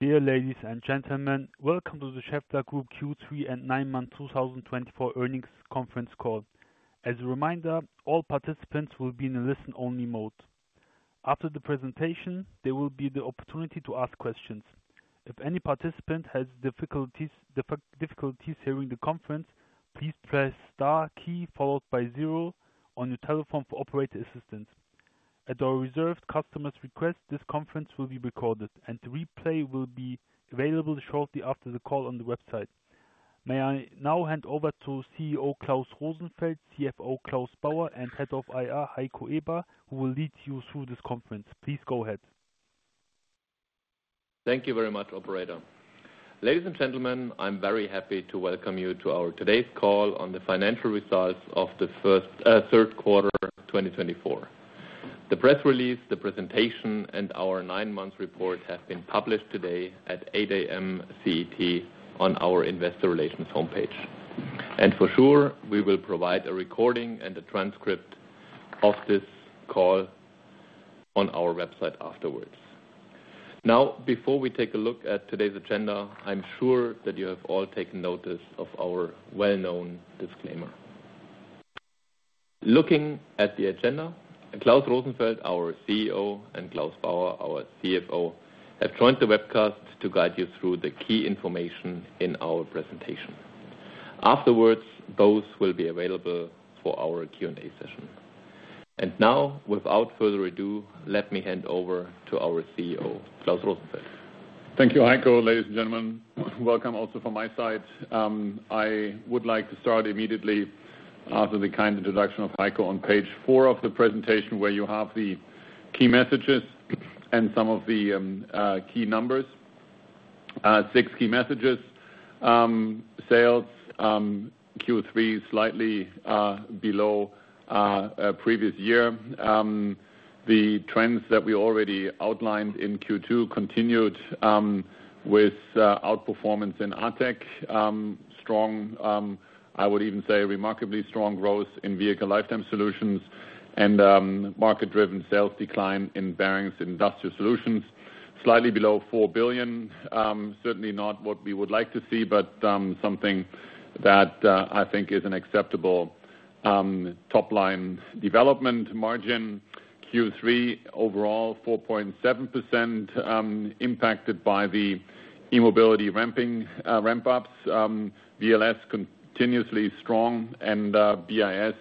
Dear ladies and gentlemen, welcome to the Schaeffler Group Q3 and nine-month 2024 earnings conference call. As a reminder, all participants will be in a listen-only mode. After the presentation, there will be the opportunity to ask questions. If any participant has difficulties hearing the conference, please press star key followed by zero on your telephone for operator assistance. At our respected customers' request, this conference will be recorded, and replay will be available shortly after the call on the website. May I now hand over to CEO Klaus Rosenfeld, CFO Claus Bauer, and Head of IR Heiko Eber, who will lead you through this conference. Please go ahead. Thank you very much, Operator. Ladies and gentlemen, I'm very happy to welcome you to our today's call on the financial results of the third quarter 2024. The press release, the presentation, and our nine-month report have been published today at 8:00 A.M. CET on our investor relations homepage. And for sure, we will provide a recording and a transcript of this call on our website afterwards. Now, before we take a look at today's agenda, I'm sure that you have all taken notice of our well-known disclaimer. Looking at the agenda, Klaus Rosenfeld, our CEO, and Claus Bauer, our CFO, have joined the webcast to guide you through the key information in our presentation. Afterwards, both will be available for our Q&A session. And now, without further ado, let me hand over to our CEO, Klaus Rosenfeld. Thank you, Heiko. Ladies and gentlemen, welcome also from my side. I would like to start immediately after the kind introduction of Heiko on page four of the presentation, where you have the key messages and some of the key numbers. Six key messages: sales Q3 slightly below previous year. The trends that we already outlined in Q2 continued with outperformance in AutoTech, strong, I would even say remarkably strong growth in Vehicle Lifetime Solutions, and market-driven sales decline in Bearings & Industrial Solutions, slightly below 4 billion. Certainly not what we would like to see, but something that I think is an acceptable top-line development margin. Q3 overall, 4.7% impacted by the E-Mobility ramp-ups. VLS continuously strong and BIS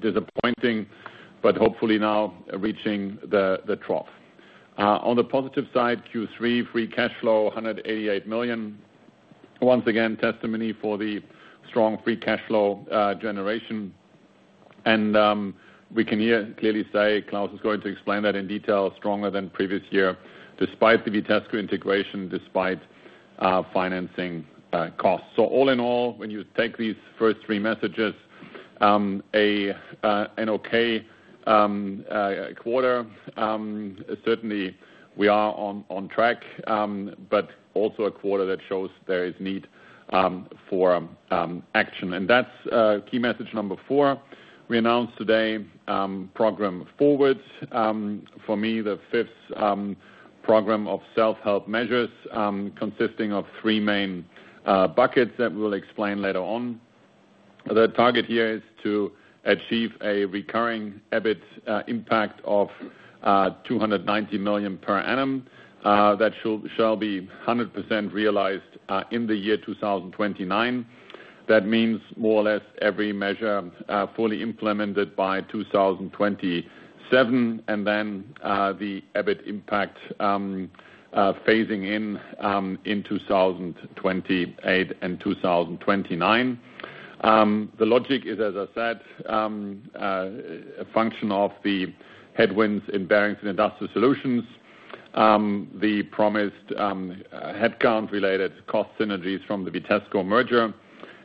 disappointing, but hopefully now reaching the trough. On the positive side, Q3 free cash flow, 188 million. Once again, testimony for the strong free cash flow generation. And we can here clearly say Claus is going to explain that in detail, stronger than previous year, despite the Vitesco integration, despite financing costs. So all in all, when you take these first three messages, an okay quarter, certainly we are on track, but also a quarter that shows there is need for action. And that's key message number four. We announced today Program Forward. For me, the fifth program of self-help measures consisting of three main buckets that we will explain later on. The target here is to achieve a recurring EBIT impact of 290 million per annum that shall be 100% realized in the year 2029. That means more or less every measure fully implemented by 2027, and then the EBIT impact phasing in in 2028 and 2029. The logic is, as I said, a function of the headwinds in Bearings and Industrial Solutions, the promised headcount-related cost synergies from the Vitesco merger,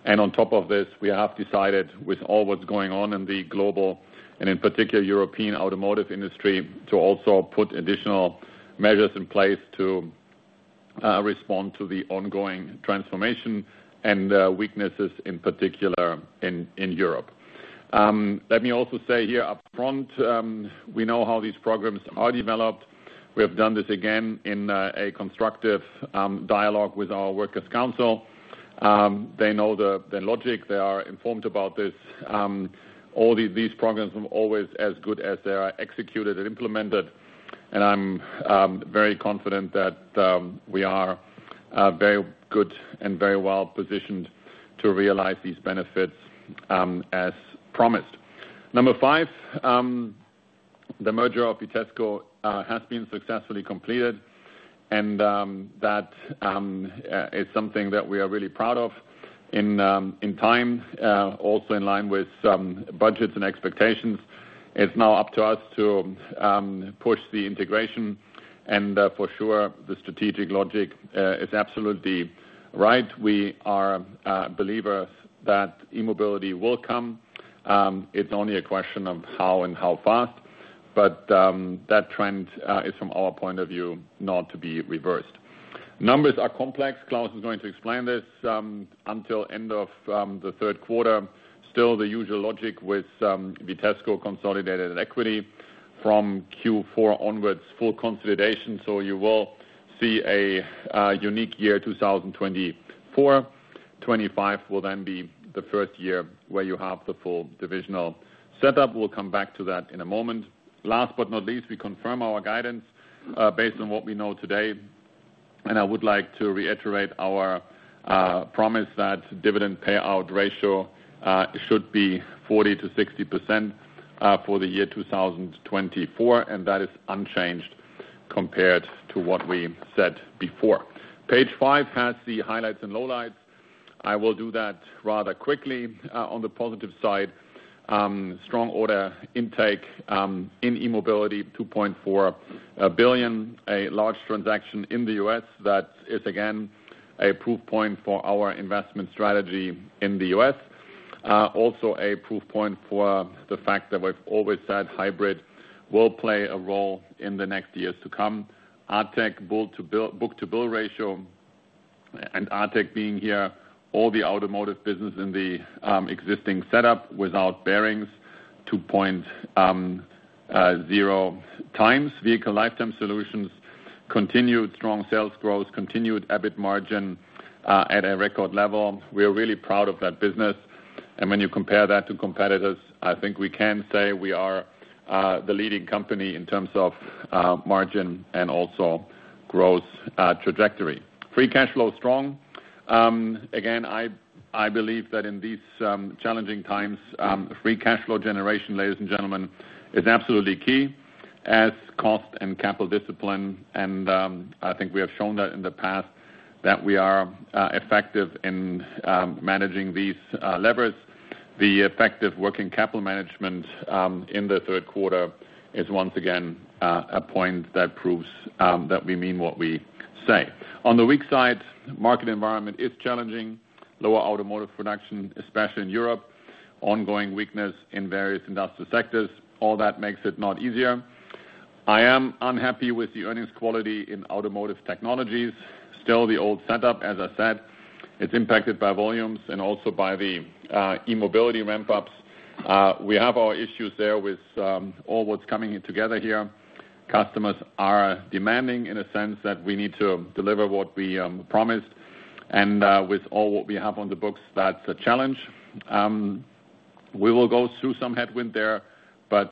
and on top of this, we have decided, with all what's going on in the global and in particular European automotive industry, to also put additional measures in place to respond to the ongoing transformation and weaknesses, in particular in Europe. Let me also say here upfront, we know how these programs are developed. We have done this again in a constructive dialogue with our Works Council. They know the logic. They are informed about this. All these programs are always as good as they are executed and implemented, and I'm very confident that we are very good and very well positioned to realize these benefits as promised. Number five, the merger of Vitesco has been successfully completed, and that is something that we are really proud of in time, also in line with budgets and expectations. It's now up to us to push the integration. For sure, the strategic logic is absolutely right. We are believers that e-mobility will come. It's only a question of how and how fast. That trend is, from our point of view, not to be reversed. Numbers are complex. Claus is going to explain this. Until end of the third quarter, still the usual logic with Vitesco consolidated at equity from Q4 onwards, full consolidation. You will see a unique year 2024. 2025 will then be the first year where you have the full divisional setup. We'll come back to that in a moment. Last but not least, we confirm our guidance based on what we know today. I would like to reiterate our promise that dividend payout ratio should be 40% to 60% for the year 2024. That is unchanged compared to what we said before. Page five has the highlights and lowlights. I will do that rather quickly. On the positive side, strong order intake in e-mobility, 2.4 billion, a large transaction in the U.S. that is, again, a proof point for our investment strategy in the U.S., also a proof point for the fact that we've always said hybrid will play a role in the next years to come. AutoTech book-to-bill ratio, and AutoTech being here, all the automotive business in the existing setup without bearings, 2.0 times Vehicle Lifetime Solutions, continued strong sales growth, continued EBIT margin at a record level. We are really proud of that business. And when you compare that to competitors, I think we can say we are the leading company in terms of margin and also growth trajectory. Free cash flow, strong. Again, I believe that in these challenging times, free cash flow generation, ladies and gentlemen, is absolutely key as cost and capital discipline. And I think we have shown that in the past, that we are effective in managing these levers. The effective working capital management in the third quarter is once again a point that proves that we mean what we say. On the weak side, market environment is challenging. Lower automotive production, especially in Europe, ongoing weakness in various industrial sectors. All that makes it not easier. I am unhappy with the earnings quality in automotive technologies. Still the old setup, as I said. It's impacted by volumes and also by the e-mobility ramp-ups. We have our issues there with all what's coming together here. Customers are demanding in a sense that we need to deliver what we promised, and with all what we have on the books, that's a challenge. We will go through some headwind there, but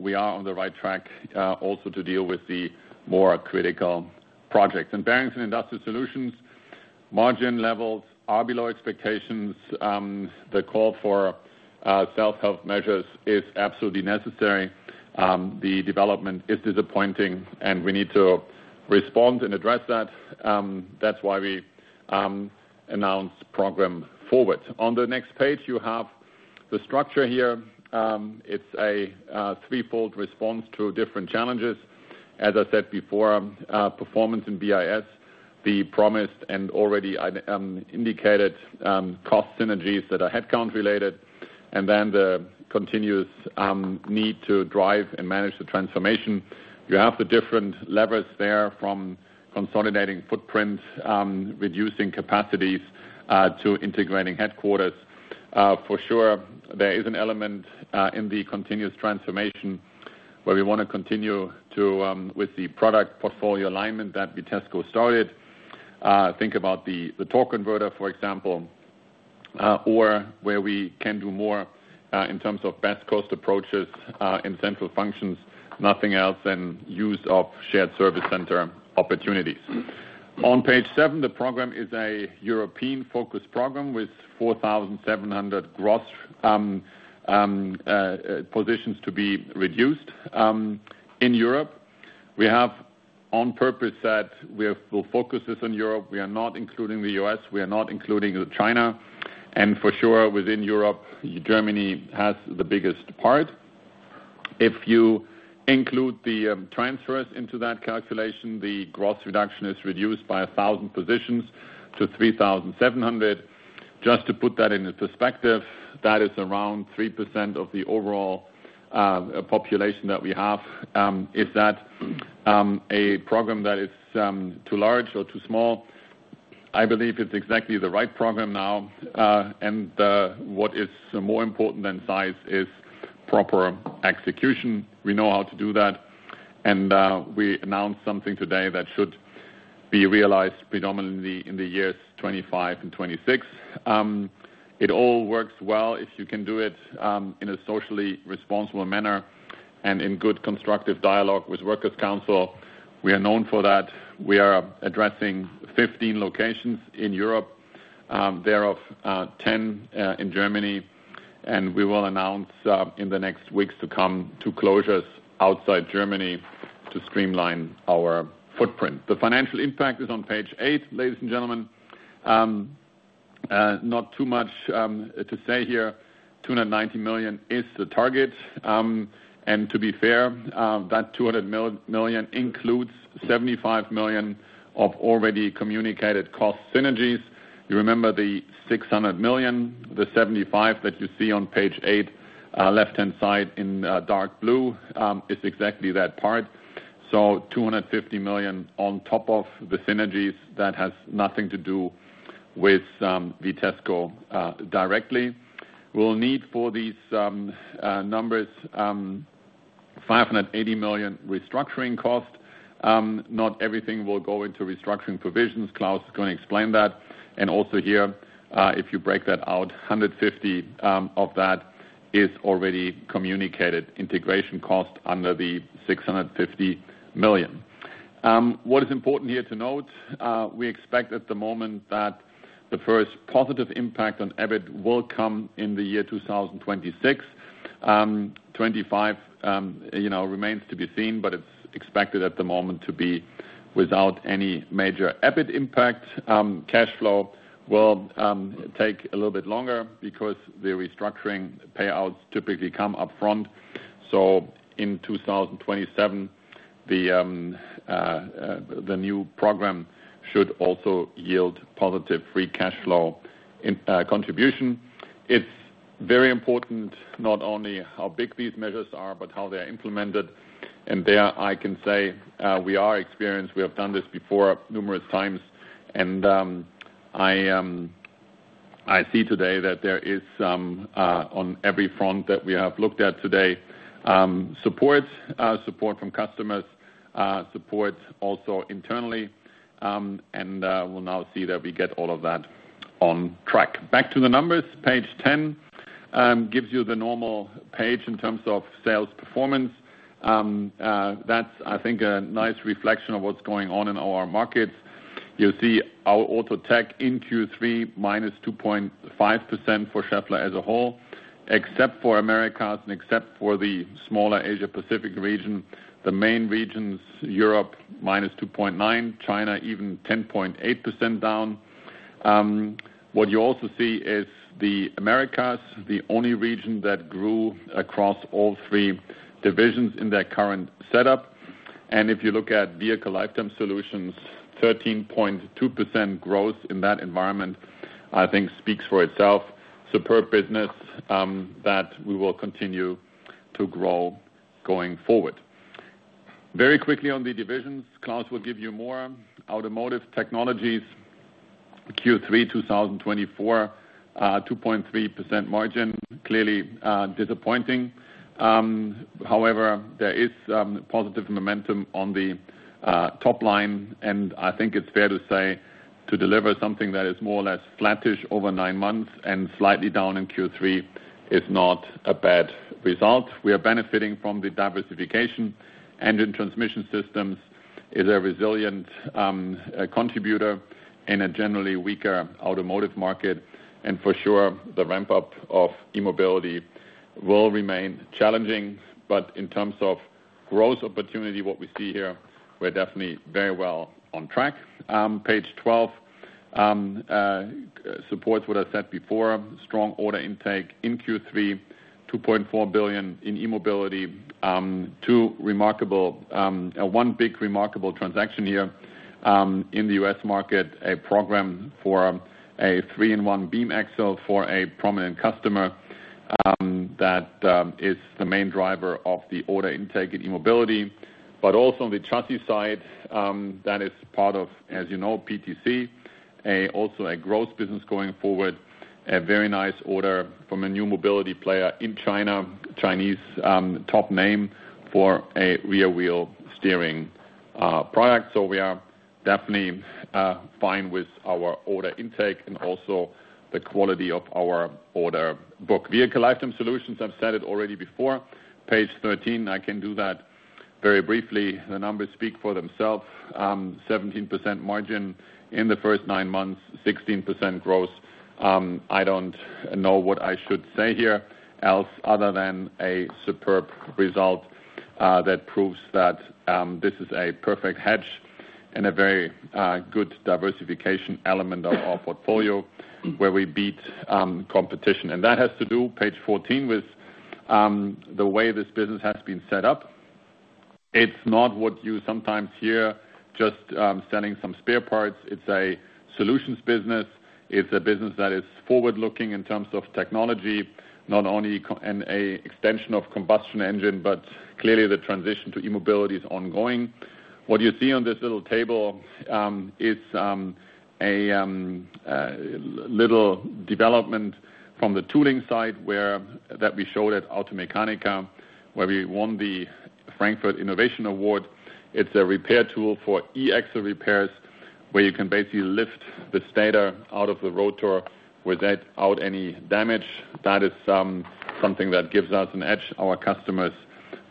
we are on the right track also to deal with the more critical projects, and Bearings and Industrial Solutions, margin levels are below expectations. The call for self-help measures is absolutely necessary. The development is disappointing, and we need to respond and address that. That's why we announced Program Forward. On the next page, you have the structure here. It's a threefold response to different challenges. As I said before, performance in BIS, the promised and already indicated cost synergies that are headcount-related, and then the continuous need to drive and manage the transformation. You have the different levers there from consolidating footprint, reducing capacities to integrating headquarters. For sure, there is an element in the continuous transformation where we want to continue with the product portfolio alignment that Vitesco started. Think about the torque converter, for example, or where we can do more in terms of best-cost approaches in central functions, nothing else than use of shared service center opportunities. On page seven, the program is a European-focused program with 4,700 gross positions to be reduced in Europe. We have on purpose that we will focus this on Europe. We are not including the U.S. We are not including China. And for sure, within Europe, Germany has the biggest part. If you include the transfers into that calculation, the gross reduction is reduced by 1,000 positions to 3,700. Just to put that into perspective, that is around 3% of the overall population that we have. Is that a program that is too large or too small? I believe it's exactly the right program now. And what is more important than size is proper execution. We know how to do that. And we announced something today that should be realized predominantly in the years 2025 and 2026. It all works well if you can do it in a socially responsible manner and in good constructive dialogue with Works Council. We are known for that. We are addressing 15 locations in Europe, thereof 10 in Germany. And we will announce in the next weeks to come two closures outside Germany to streamline our footprint. The financial impact is on page eight, ladies and gentlemen. Not too much to say here. 290 million is the target. And to be fair, that 200 million includes 75 million of already communicated cost synergies. You remember the 600 million, the 75 million that you see on page eight, left-hand side in dark blue is exactly that part. So 250 million on top of the synergies that has nothing to do with Vitesco directly. We'll need for these numbers 580 million restructuring cost. Not everything will go into restructuring provisions. Claus is going to explain that. And also here, if you break that out, 150 million of that is already communicated integration cost under the 650 million. What is important here to note, we expect at the moment that the first positive impact on EBIT will come in the year 2026. 2025 remains to be seen, but it's expected at the moment to be without any major EBIT impact. Cash flow will take a little bit longer because the restructuring payouts typically come upfront. So in 2027, the new program should also yield positive free cash flow contribution. It's very important not only how big these measures are, but how they're implemented. And there I can say we are experienced. We have done this before numerous times. And I see today that there is on every front that we have looked at today, support from customers, support also internally. And we'll now see that we get all of that on track. Back to the numbers. Page 10 gives you the normal page in terms of sales performance. That's, I think, a nice reflection of what's going on in our markets. You see our auto tech in Q3 -2.5% for Schaeffler as a whole, except for Americas and except for the smaller Asia-Pacific region. The main regions, Europe -2.9%, China even -10.8% down. What you also see is the Americas, the only region that grew across all three divisions in their current setup. And if you look at Vehicle Lifetime Solutions, 13.2% growth in that environment, I think, speaks for itself. Superb business that we will continue to grow going forward. Very quickly on the divisions, Claus will give you more. Automotive Technologies, Q3 2024, 2.3% margin, clearly disappointing. However, there is positive momentum on the top line. And I think it's fair to say to deliver something that is more or less flattish over nine months and slightly down in Q3 is not a bad result. We are benefiting from the diversification. Engine transmission systems is a resilient contributor in a generally weaker automotive market. And for sure, the ramp-up of e-mobility will remain challenging. But in terms of growth opportunity, what we see here, we're definitely very well on track. Page 12 supports what I said before. Strong order intake in Q3, 2.4 billion in e-mobility. One big remarkable transaction here in the U.S. market, a program for a three-in-one beam axle for a prominent customer that is the main driver of the order intake in e-mobility. But also on the chassis side, that is part of, as you know, P&C, also a growth business going forward, a very nice order from a new mobility player in China, Chinese top name for a rear-wheel steering product. So we are definitely fine with our order intake and also the quality of our order book. Vehicle Lifetime Solutions, I've said it already before. Page 13, I can do that very briefly. The numbers speak for themselves. 17% margin in the first nine months, 16% growth. I don't know what I should say here else other than a superb result that proves that this is a perfect hedge and a very good diversification element of our portfolio where we beat competition, and that has to do, page 14, with the way this business has been set up. It's not what you sometimes hear, just selling some spare parts. It's a solutions business. It's a business that is forward-looking in terms of technology, not only an extension of combustion engine, but clearly the transition to e-mobility is ongoing. What you see on this little table is a little development from the tooling side that we showed at Automechanika, where we won the Frankfurt Innovation Award. It's a repair tool for e-axle repairs where you can basically lift the stator out of the rotor without any damage. That is something that gives us an edge. Our customers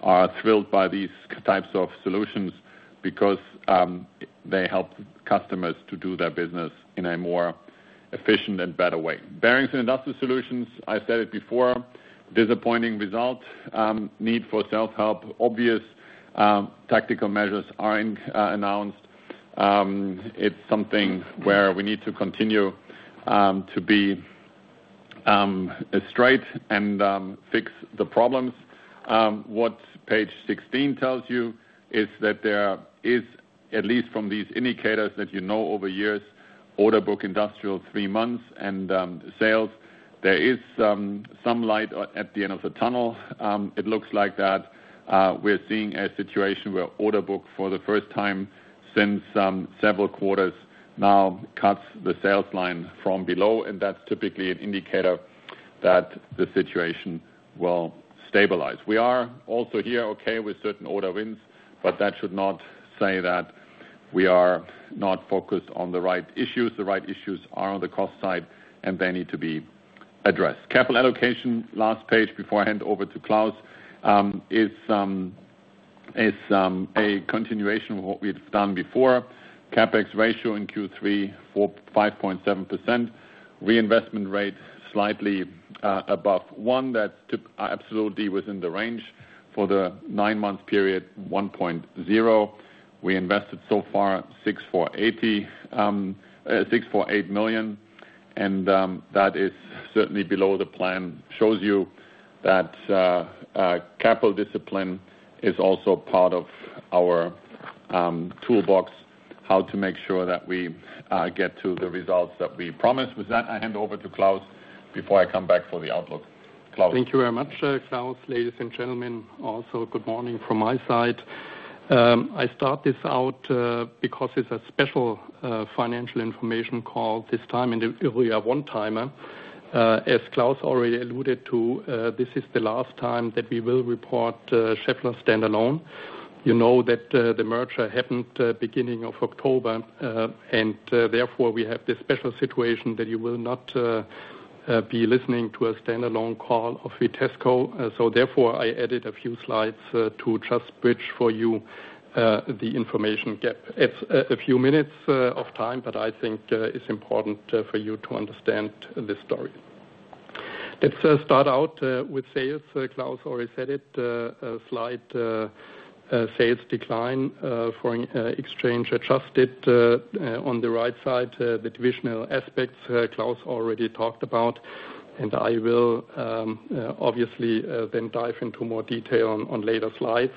are thrilled by these types of solutions because they help customers to do their business in a more efficient and better way. Bearings and Industrial Solutions, I said it before, disappointing result. Need for self-help. Obvious tactical measures are announced. It's something where we need to continue to be straight and fix the problems. What page 16 tells you is that there is, at least from these indicators that you know over years, order book industrial three months and sales. There is some light at the end of the tunnel. It looks like that we're seeing a situation where order book for the first time since several quarters now cuts the sales line from below, and that's typically an indicator that the situation will stabilize. We are also here okay with certain order wins, but that should not say that we are not focused on the right issues. The right issues are on the cost side, and they need to be addressed. Capital allocation, last page before I hand over to Claus, is a continuation of what we've done before. CapEx ratio in Q3, 5.7%. Reinvestment rate slightly above one. That's absolutely within the range for the nine-month period, 1.0. We invested so far 648 million. And that is certainly below the plan. Shows you that capital discipline is also part of our toolbox, how to make sure that we get to the results that we promise. With that, I hand over to Claus before I come back for the outlook. Claus. Thank you very much, Klaus. Ladies and gentlemen, also good morning from my side. I start this out because it's a special financial information call this time in the one-timer. As Klaus already alluded to, this is the last time that we will report Schaeffler standalone. You know that the merger happened beginning of October, and therefore we have this special situation that you will not be listening to a standalone call of Vitesco. So therefore, I added a few slides to just bridge for you the information gap. It's a few minutes of time, but I think it's important for you to understand this story. Let's start out with sales. Klaus already said it, slight sales decline for exchange-adjusted. On the right side, the divisional aspects Klaus already talked about, and I will obviously then dive into more detail on later slides,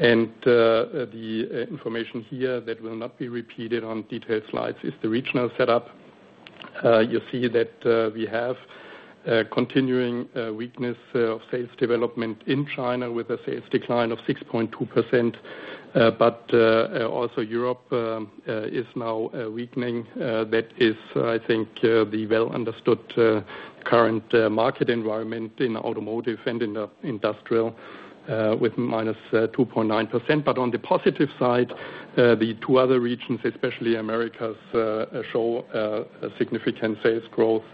and the information here that will not be repeated on detailed slides is the regional setup. You see that we have continuing weakness of sales development in China with a sales decline of 6.2%, but also Europe is now weakening. That is, I think, the well-understood current market environment in automotive and in the industrial with -2.9%. But on the positive side, the two other regions, especially Americas, show significant sales growth.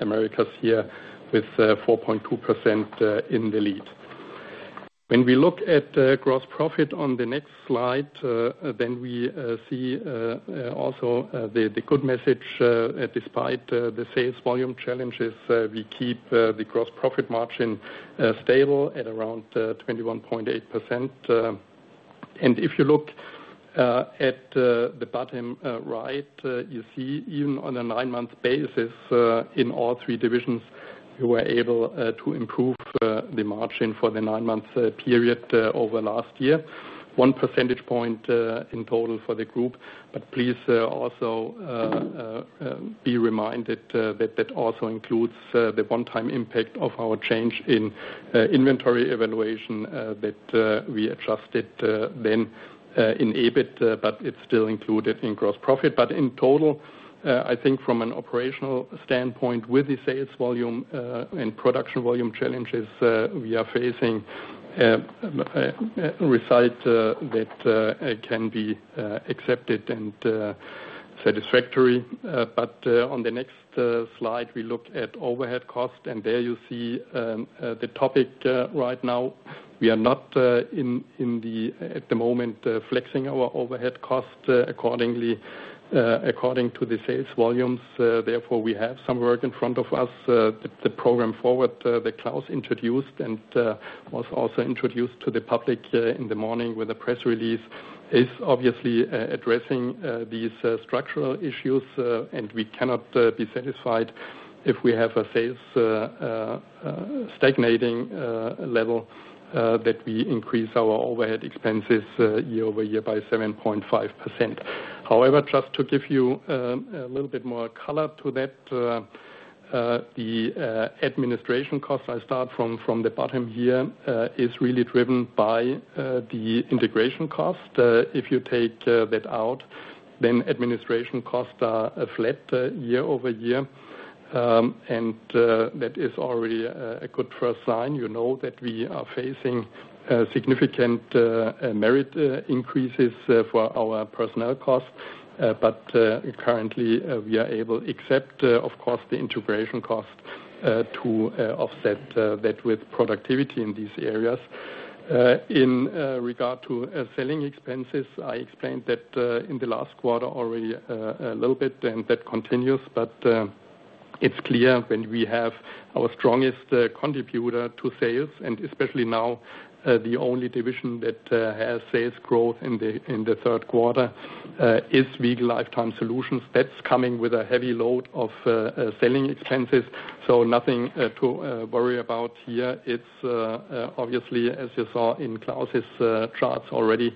Americas here with 4.2% in the lead. When we look at gross profit on the next slide, then we see also the good message despite the sales volume challenges. We keep the gross profit margin stable at around 21.8%. And if you look at the bottom right, you see even on a nine-month basis in all three divisions, we were able to improve the margin for the nine-month period over last year, one percentage point in total for the group. But please also be reminded that that also includes the one-time impact of our change in inventory evaluation that we adjusted then in EBIT, but it's still included in gross profit. But in total, I think from an operational standpoint, with the sales volume and production volume challenges, we are facing a result that can be accepted and satisfactory. But on the next slide, we look at overhead cost. And there you see the topic right now. We are not at the moment flexing our overhead cost according to the sales volumes. Therefore, we have some work in front of us. The Program Forward that Klaus introduced and was also introduced to the public in the morning with a press release is obviously addressing these structural issues. And we cannot be satisfied if we have a sales stagnating level that we increase our overhead expenses year over year by 7.5%. However, just to give you a little bit more color to that, the administration cost, I start from the bottom here, is really driven by the integration cost. If you take that out, then administration costs are flat year over year, and that is already a good first sign. You know that we are facing significant merit increases for our personnel costs. But currently, we are able, except, of course, the integration cost, to offset that with productivity in these areas. In regard to selling expenses, I explained that in the last quarter already a little bit, and that continues. But it's clear when we have our strongest contributor to sales, and especially now the only division that has sales growth in the third quarter is Vehicle Lifetime Solutions. That's coming with a heavy load of selling expenses, so nothing to worry about here. It's obviously, as you saw in Klaus's charts already,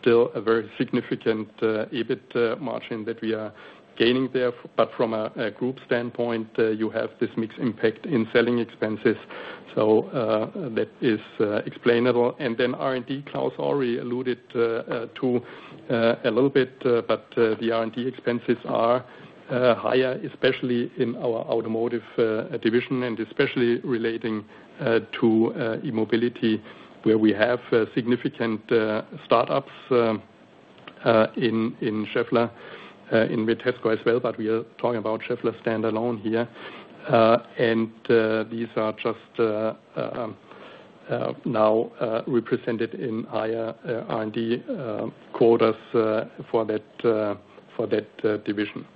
still a very significant EBIT margin that we are gaining there. But from a group standpoint, you have this mixed impact in selling expenses. So that is explainable. And then R&D, Klaus already alluded to a little bit, but the R&D expenses are higher, especially in our automotive division, and especially relating to e-mobility, where we have significant startups in Schaeffler, in Vitesco as well. But we are talking about Schaeffler standalone here. And these are just now represented in higher R&D quotas for that division.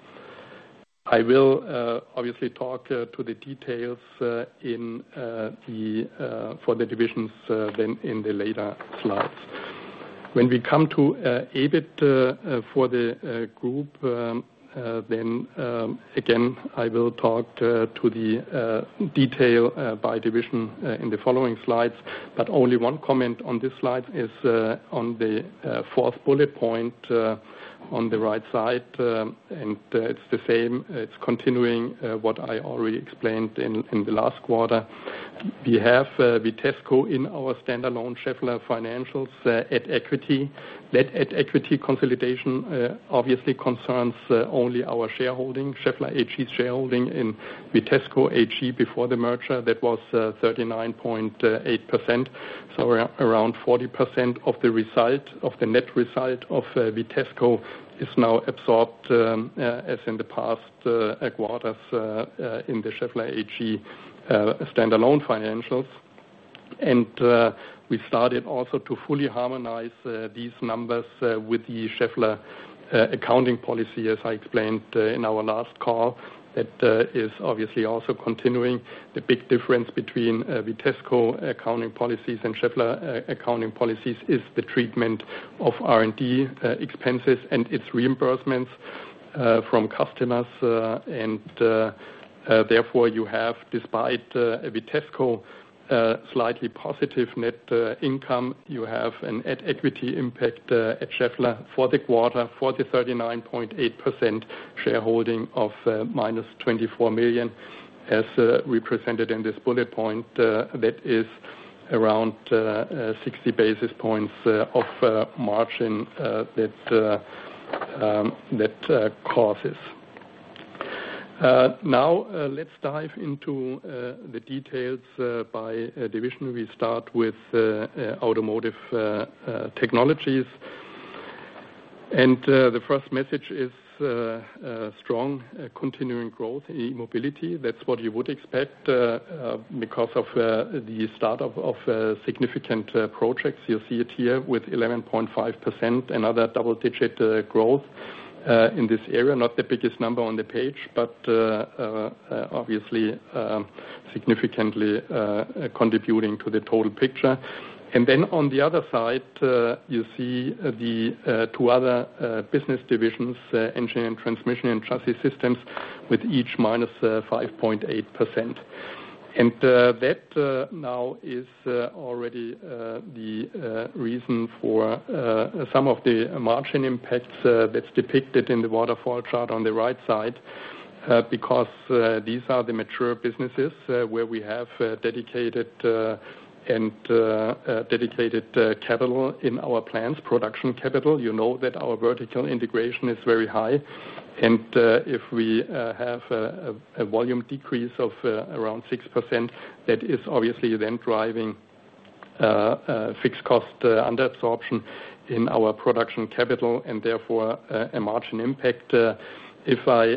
I will obviously talk to the details for the divisions then in the later slides. When we come to EBIT for the group, then again, I will talk to the detail by division in the following slides. But only one comment on this slide is on the fourth bullet point on the right side. And it's the same. It's continuing what I already explained in the last quarter. We have Vitesco in our standalone Schaeffler financials at equity. That at equity consolidation obviously concerns only our shareholding, Schaeffler AG's shareholding in Vitesco Technologies before the merger. That was 39.8%. So around 40% of the result of the net result of Vitesco Technologies is now absorbed as in the past quarters in the Schaeffler AG standalone financials. And we started also to fully harmonize these numbers with the Schaeffler accounting policy, as I explained in our last call. That is obviously also continuing. The big difference between Vitesco Technologies accounting policies and Schaeffler accounting policies is the treatment of R&D expenses and its reimbursements from customers. And therefore, you have, despite Vitesco Technologies's slightly positive net income, you have an at equity impact at Schaeffler for the quarter for the 39.8% shareholding of -24 million, as represented in this bullet point. That is around 60 bps of margin that causes. Now, let's dive into the details by division. We start with automotive technologies. And the first message is strong continuing growth in e-mobility. That's what you would expect because of the startup of significant projects. You see it here with 11.5%, another double-digit growth in this area. Not the biggest number on the page, but obviously significantly contributing to the total picture. And then on the other side, you see the two other business divisions, engine and transmission and chassis systems, with each -5.8%. And that now is already the reason for some of the margin impacts that's depicted in the waterfall chart on the right side, because these are the mature businesses where we have dedicated capital in our plans, production capital. You know that our vertical integration is very high. If we have a volume decrease of around 6%, that is obviously then driving fixed cost under absorption in our production capital and therefore a margin impact. If I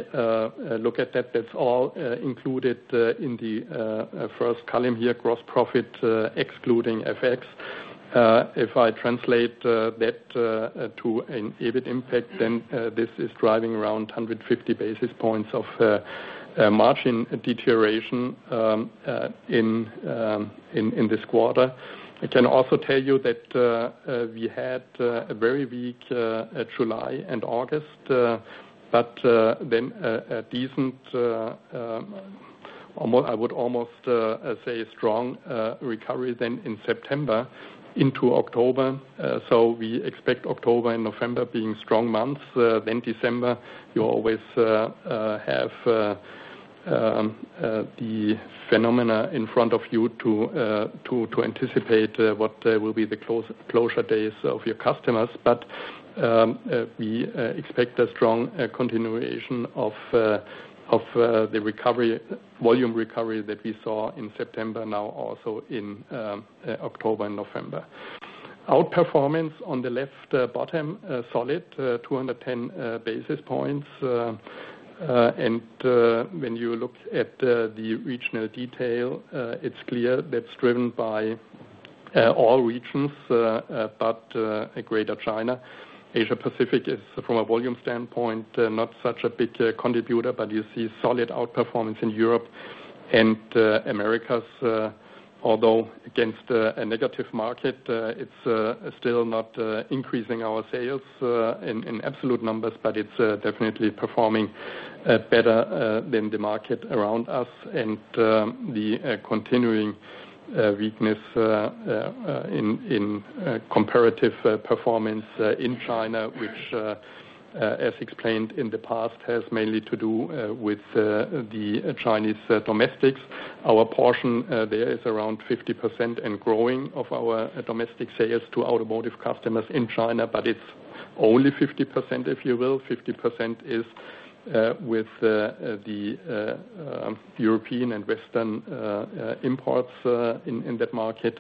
look at that, that's all included in the first column here, gross profit excluding FX. If I translate that to an EBIT impact, then this is driving around 150 bps of margin deterioration in this quarter. I can also tell you that we had a very weak July and August, but then a decent, I would almost say, strong recovery then in September into October. So we expect October and November being strong months. Then December, you always have the phenomena in front of you to anticipate what will be the closure days of your customers. But we expect a strong continuation of the volume recovery that we saw in September, now also in October and November. Outperformance on the left bottom, solid, 210 bps. And when you look at the regional detail, it's clear that's driven by all regions, but Greater China. Asia-Pacific is, from a volume standpoint, not such a big contributor, but you see solid outperformance in Europe. And Americas, although against a negative market, it's still not increasing our sales in absolute numbers, but it's definitely performing better than the market around us. And the continuing weakness in comparative performance in China, which, as explained in the past, has mainly to do with the Chinese domestics. Our portion there is around 50% and growing of our domestic sales to automotive customers in China, but it's only 50%, if you will. 50% is with the European and Western imports in that market.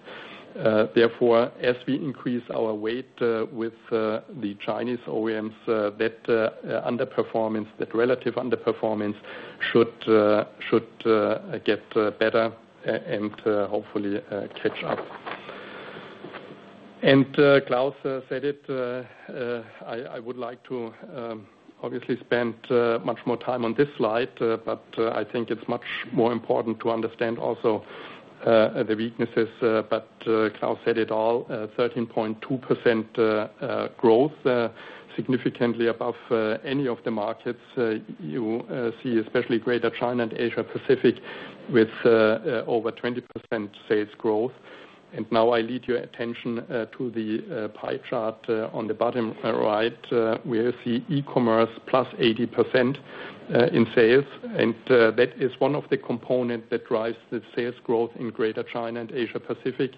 Therefore, as we increase our weight with the Chinese OEMs, that underperformance, that relative underperformance should get better and hopefully catch up, and Klaus said it. I would like to obviously spend much more time on this slide, but I think it's much more important to understand also the weaknesses, but Klaus said it all, 13.2% growth, significantly above any of the markets. You see especially Greater China and Asia-Pacific with over 20% sales growth, and now I direct your attention to the pie chart on the bottom right, where you see e-commerce plus 80% in sales, and that is one of the components that drives the sales growth in Greater China and Asia-Pacific.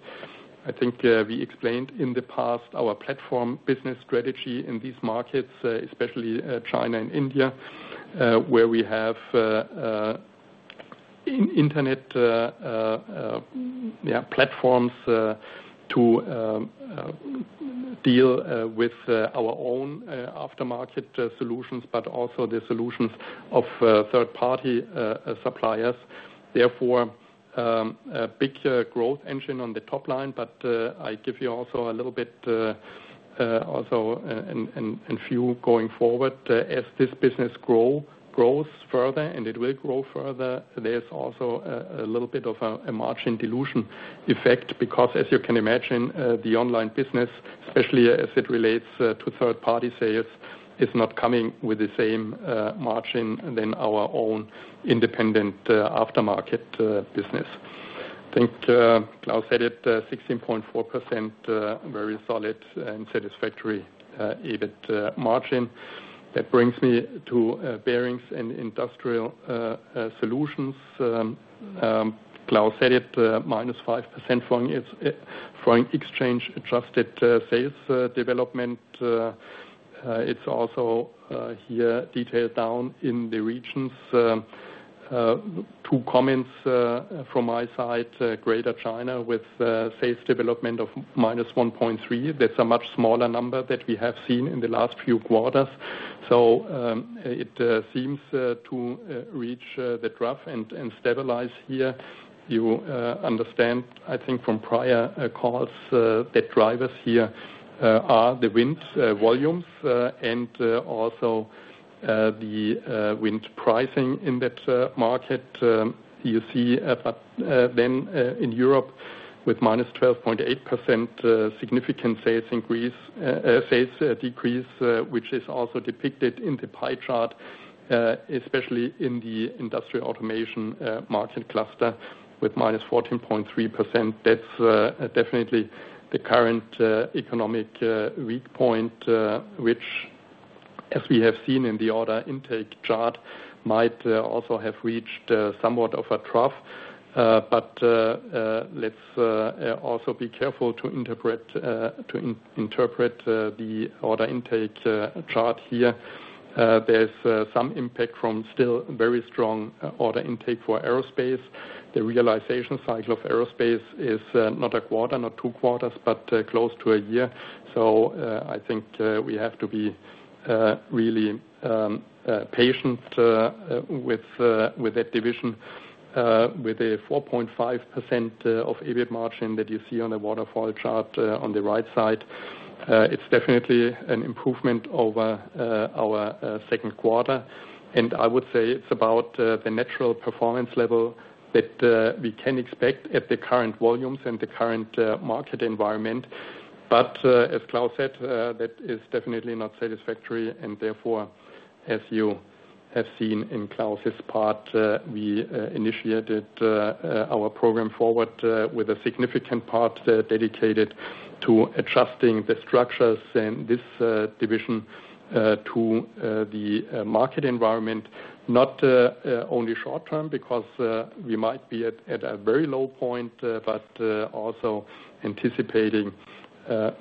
I think we explained in the past our platform business strategy in these markets, especially China and India, where we have internet platforms to deal with our own aftermarket solutions, but also the solutions of third-party suppliers. Therefore, a big growth engine on the top line. But I give you also a little bit and few going forward. As this business grows further, and it will grow further, there's also a little bit of a margin dilution effect because, as you can imagine, the online business, especially as it relates to third-party sales, is not coming with the same margin than our own independent aftermarket business. I think Klaus said it, 16.4%, very solid and satisfactory EBIT margin. That brings me to Bearings and Industrial Solutions. Klaus said it, -5% foreign exchange adjusted sales development. It's also here detailed down in the regions. Two comments from my side, Greater China with sales development of -1.3%. That's a much smaller number than we have seen in the last few quarters. So it seems to reach the trough and stabilize here. You understand, I think, from prior calls that drivers here are the unit volumes and also the unit pricing in that market. You see, but then in Europe with -12.8% significant sales decrease, which is also depicted in the pie chart, especially in the industrial automation market cluster with -14.3%. That's definitely the current economic weak point, which, as we have seen in the order intake chart, might also have reached somewhat of a trough. But let's also be careful to interpret the order intake chart here. There's some impact from still very strong order intake for aerospace. The realization cycle of aerospace is not a quarter, not two quarters, but close to a year, so I think we have to be really patient with that division. With a 4.5% EBIT margin that you see on the waterfall chart on the right side, it's definitely an improvement over our second quarter, and I would say it's about the natural performance level that we can expect at the current volumes and the current market environment, but as Klaus said, that is definitely not satisfactory. And therefore, as you have seen in Klaus's part, we initiated our Program Forward with a significant part dedicated to adjusting the structures and this division to the market environment, not only short term because we might be at a very low point, but also anticipating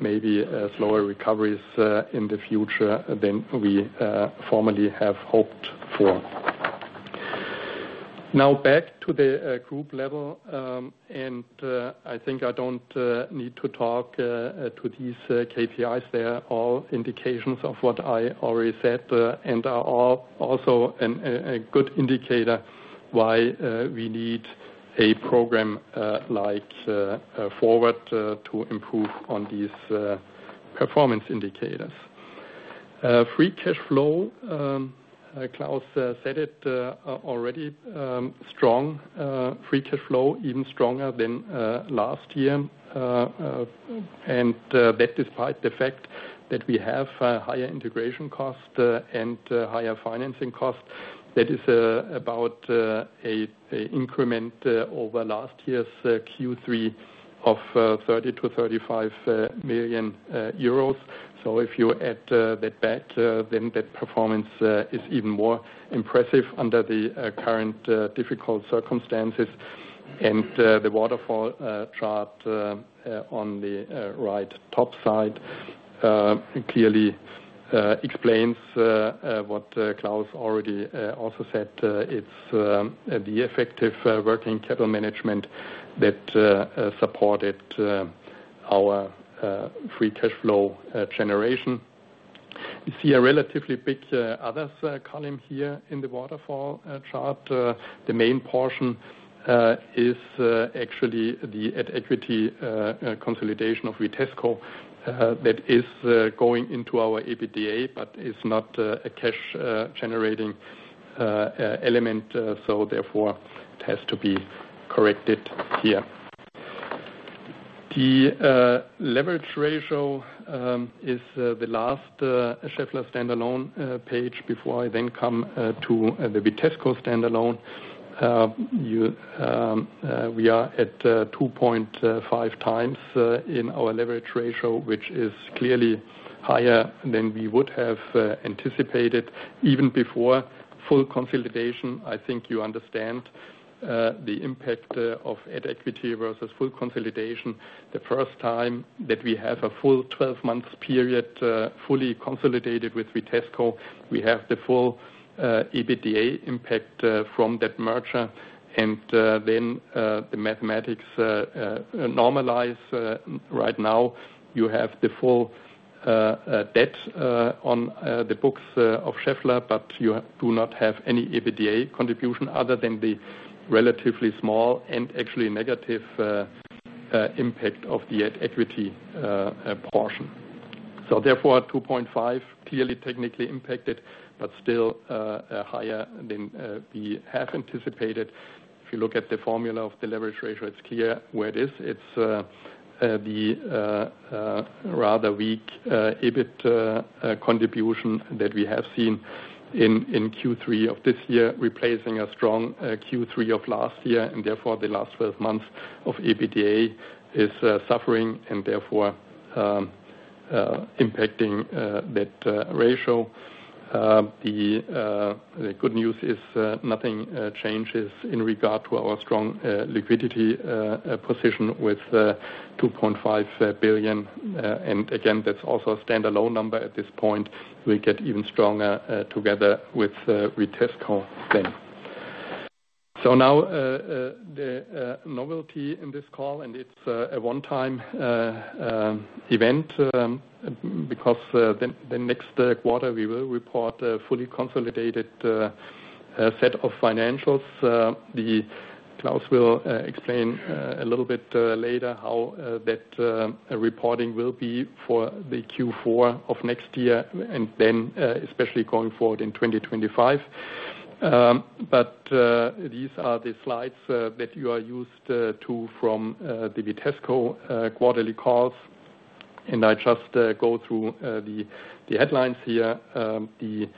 maybe slower recoveries in the future than we formerly have hoped for. Now, back to the group level. I think I don't need to talk to these KPIs. They're all indications of what I already said and are also a good indicator why we need a program like Forward to improve on these performance indicators. Free cash flow, Klaus said it already, strong free cash flow, even stronger than last year. That despite the fact that we have higher integration costs and higher financing costs, that is about an increment over last year's Q3 of 30 million to 35 million euros. If you add that back, then that performance is even more impressive under the current difficult circumstances. The waterfall chart on the right top side clearly explains what Klaus already also said. It's the effective working capital management that supported our free cash flow generation. You see a relatively big other column here in the waterfall chart. The main portion is actually the at equity consolidation of Vitesco that is going into our EBITDA, but it's not a cash-generating element. So therefore, it has to be corrected here. The leverage ratio is the last Schaeffler standalone page before I then come to the Vitesco standalone. We are at 2.5 times in our leverage ratio, which is clearly higher than we would have anticipated even before full consolidation. I think you understand the impact of at equity versus full consolidation. The first time that we have a full 12-month period fully consolidated with Vitesco, we have the full EBITDA impact from that merger, and then the mathematics normalize. Right now, you have the full debt on the books of Schaeffler, but you do not have any EBITDA contribution other than the relatively small and actually negative impact of the at equity portion. So therefore, 2.5 clearly technically impacted, but still higher than we have anticipated. If you look at the formula of the leverage ratio, it's clear where it is. It's the rather weak EBIT contribution that we have seen in Q3 of this year, replacing a strong Q3 of last year. And therefore, the last 12 months of EBITDA is suffering and therefore impacting that ratio. The good news is nothing changes in regard to our strong liquidity position with 2.5 billion. And again, that's also a standalone number at this point. We get even stronger together with Vitesco then. So now the novelty in this call, and it's a one-time event because the next quarter we will report a fully consolidated set of financials. Klaus will explain a little bit later how that reporting will be for the Q4 of next year and then especially going forward in 2025. These are the slides that you are used to from the Vitesco quarterly calls. I just go through the headlines here. The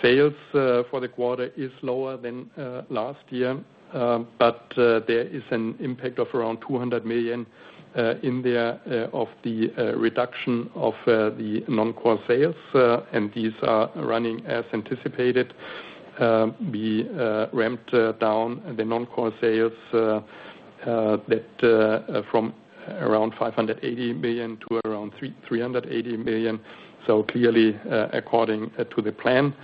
sales for the quarter is lower than last year, but there is an impact of around 200 million in there of the reduction of the non-core sales. These are running as anticipated. We ramped down the non-core sales from around 580 million to around 380 million. Clearly, according to the plan,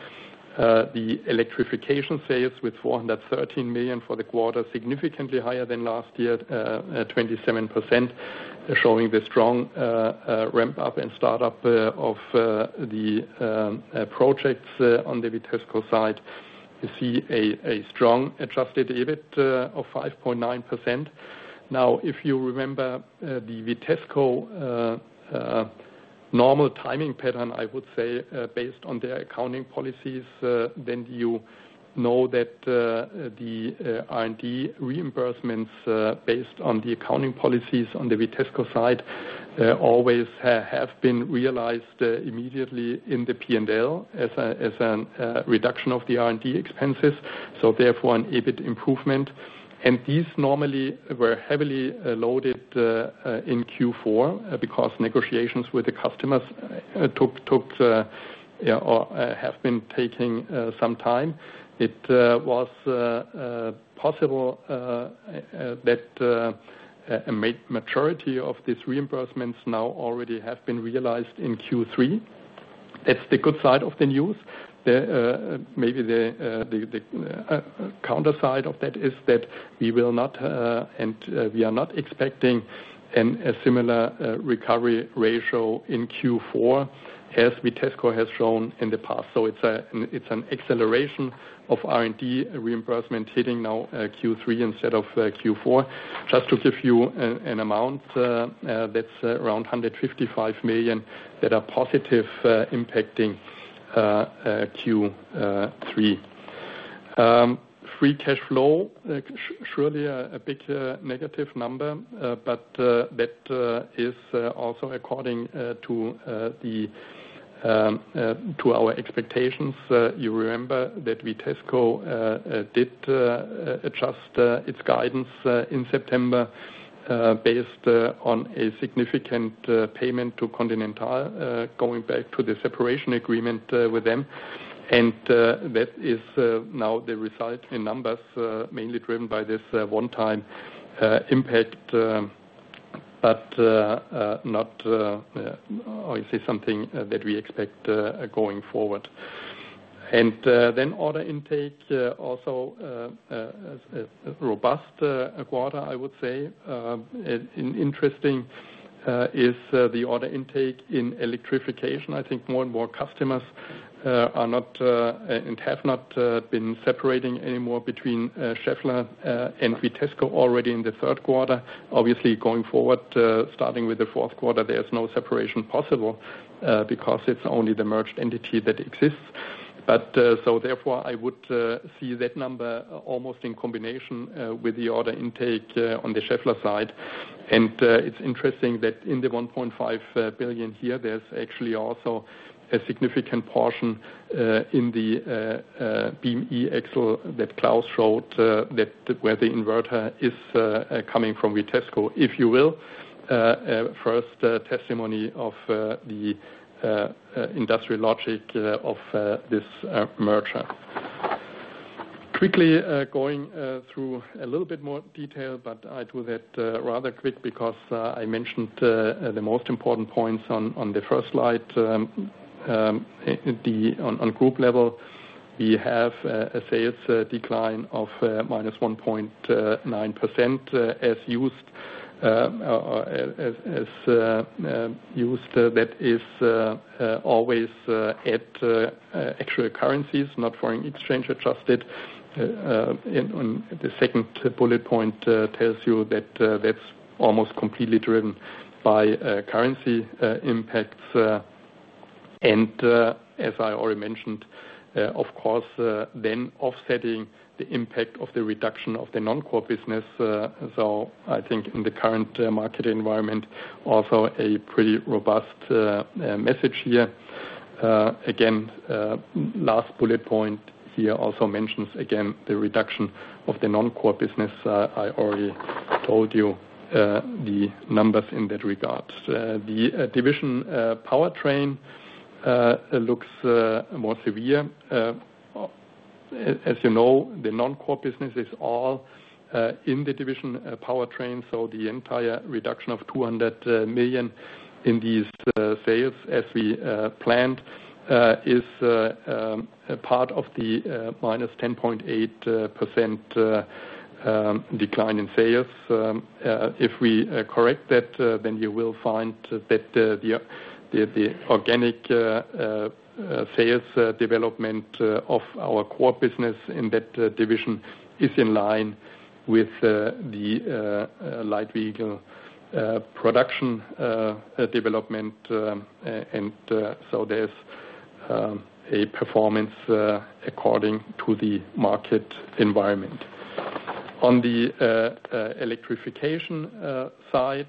the electrification sales with 413 million for the quarter is significantly higher than last year, 27%, showing the strong ramp-up and start-up of the projects on the Vitesco side. You see a strong adjusted EBIT of 5.9%. Now, if you remember the Vitesco normal timing pattern, I would say based on their accounting policies, then you know that the R&D reimbursements based on the accounting policies on the Vitesco side always have been realized immediately in the P&L as a reduction of the R&D expenses. So therefore, an EBIT improvement. And these normally were heavily loaded in Q4 because negotiations with the customers have been taking some time. It was possible that a majority of these reimbursements now already have been realized in Q3. That's the good side of the news. Maybe the counter side of that is that we will not, and we are not expecting a similar recovery ratio in Q4 as Vitesco has shown in the past. So it's an acceleration of R&D reimbursement hitting now Q3 instead of Q4. Just to give you an amount, that's around 155 million that are positive impacting Q3. Free cash flow, surely a big negative number, but that is also according to our expectations. You remember that Vitesco did adjust its guidance in September based on a significant payment to Continental going back to the separation agreement with them. And that is now the result in numbers, mainly driven by this one-time impact, but not, I would say, something that we expect going forward. And then order intake, also a robust quarter, I would say. Interesting is the order intake in electrification. I think more and more customers are not and have not been separating anymore between Schaeffler and Vitesco already in the third quarter. Obviously, going forward, starting with the fourth quarter, there's no separation possible because it's only the merged entity that exists. But so therefore, I would see that number almost in combination with the order intake on the Schaeffler side, and it's interesting that in the 1.5 billion here, there's actually also a significant portion in the beam e-axle that Klaus showed where the inverter is coming from Vitesco if you will. First testimony of the industrial logic of this merger. Quickly going through a little bit more detail, but I do that rather quick because I mentioned the most important points on the first slide. On group level, we have a sales decline of -1.9% as used. That is always at actual currencies, not foreign exchange adjusted. The second bullet point tells you that that's almost completely driven by currency impacts, and as I already mentioned, of course, then offsetting the impact of the reduction of the non-core business. So I think in the current market environment, also a pretty robust message here. Again, last bullet point here also mentions again the reduction of the non-core business. I already told you the numbers in that regard. The division powertrain looks more severe. As you know, the non-core business is all in the division powertrain. So the entire reduction of 200 million in these sales, as we planned, is part of the -10.8% decline in sales. If we correct that, then you will find that the organic sales development of our core business in that division is in line with the light vehicle production development. And so there's a performance according to the market environment. On the electrification side,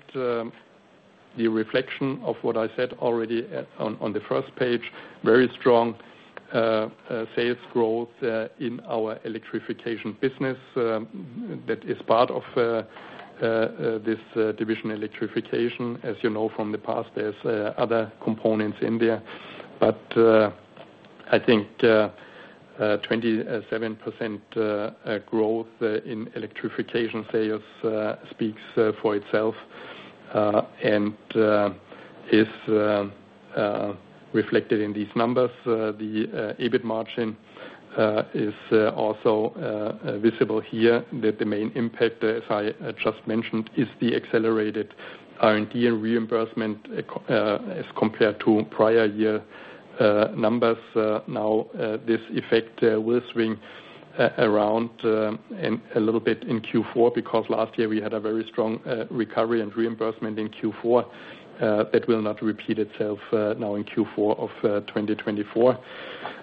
the reflection of what I said already on the first page, very strong sales growth in our electrification business. That is part of this division electrification. As you know from the past, there's other components in there. But I think 27% growth in electrification sales speaks for itself and is reflected in these numbers. The EBIT margin is also visible here. The main impact, as I just mentioned, is the accelerated R&D and reimbursement as compared to prior year numbers. Now, this effect will swing around a little bit in Q4 because last year we had a very strong recovery and reimbursement in Q4 that will not repeat itself now in Q4 of 2024.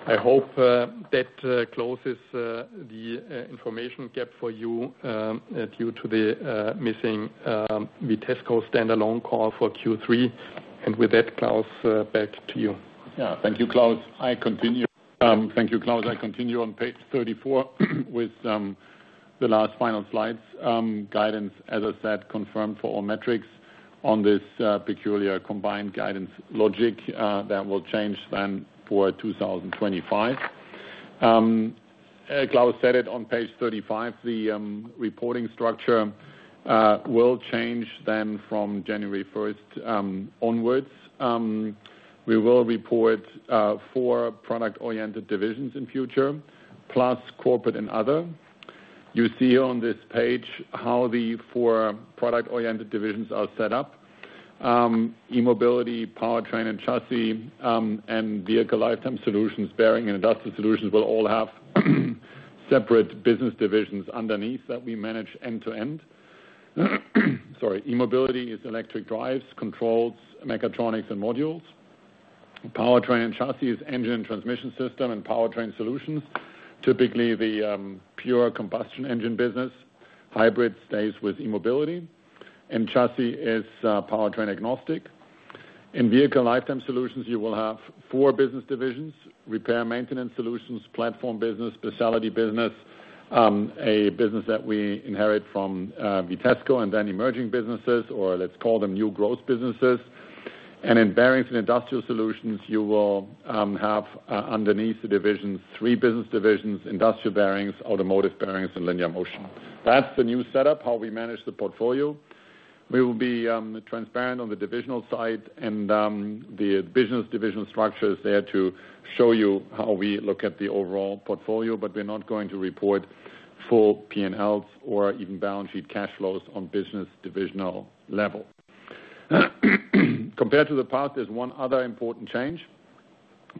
I hope that closes the information gap for you due to the missing Vitesco standalone call for Q3. And with that, Klaus, back to you. Yeah. Thank you, Klaus. I continue on page 34 with the last final slides. Guidance, as I said, confirmed for all metrics on this peculiar combined guidance logic that will change then for 2025. Klaus said it on page 35. The reporting structure will change then from January 1st onwards. We will report four product-oriented divisions in future, plus corporate and other. You see on this page how the four product-oriented divisions are set up. E-mobility, Powertrain and Chassis, Vehicle Lifetime Solutions, Bearings and Industrial Solutions will all have separate business divisions underneath that we manage end-to-end. Sorry. E-mobility is electric drives, controls, mechatronics, and modules. Powertrain and Chassis is engine and transmission system and powertrain solutions. Typically, the pure combustion engine business. Hybrid stays with e-mobility. Chassis is powertrain agnostic. In Vehicle Lifetime Solutions, you will have four business divisions: repair maintenance solutions, platform business, specialty business, a business that we inherit from Vitesco and then emerging businesses, or let's call them new growth businesses. And in Bearings and Industrial Solutions, you will have underneath the divisions three business divisions: industrial bearings, automotive bearings, and linear motion. That's the new setup, how we manage the portfolio. We will be transparent on the divisional side, and the business division structure is there to show you how we look at the overall portfolio, but we're not going to report full P&Ls or even balance sheet cash flows on business divisional level. Compared to the past, there's one other important change.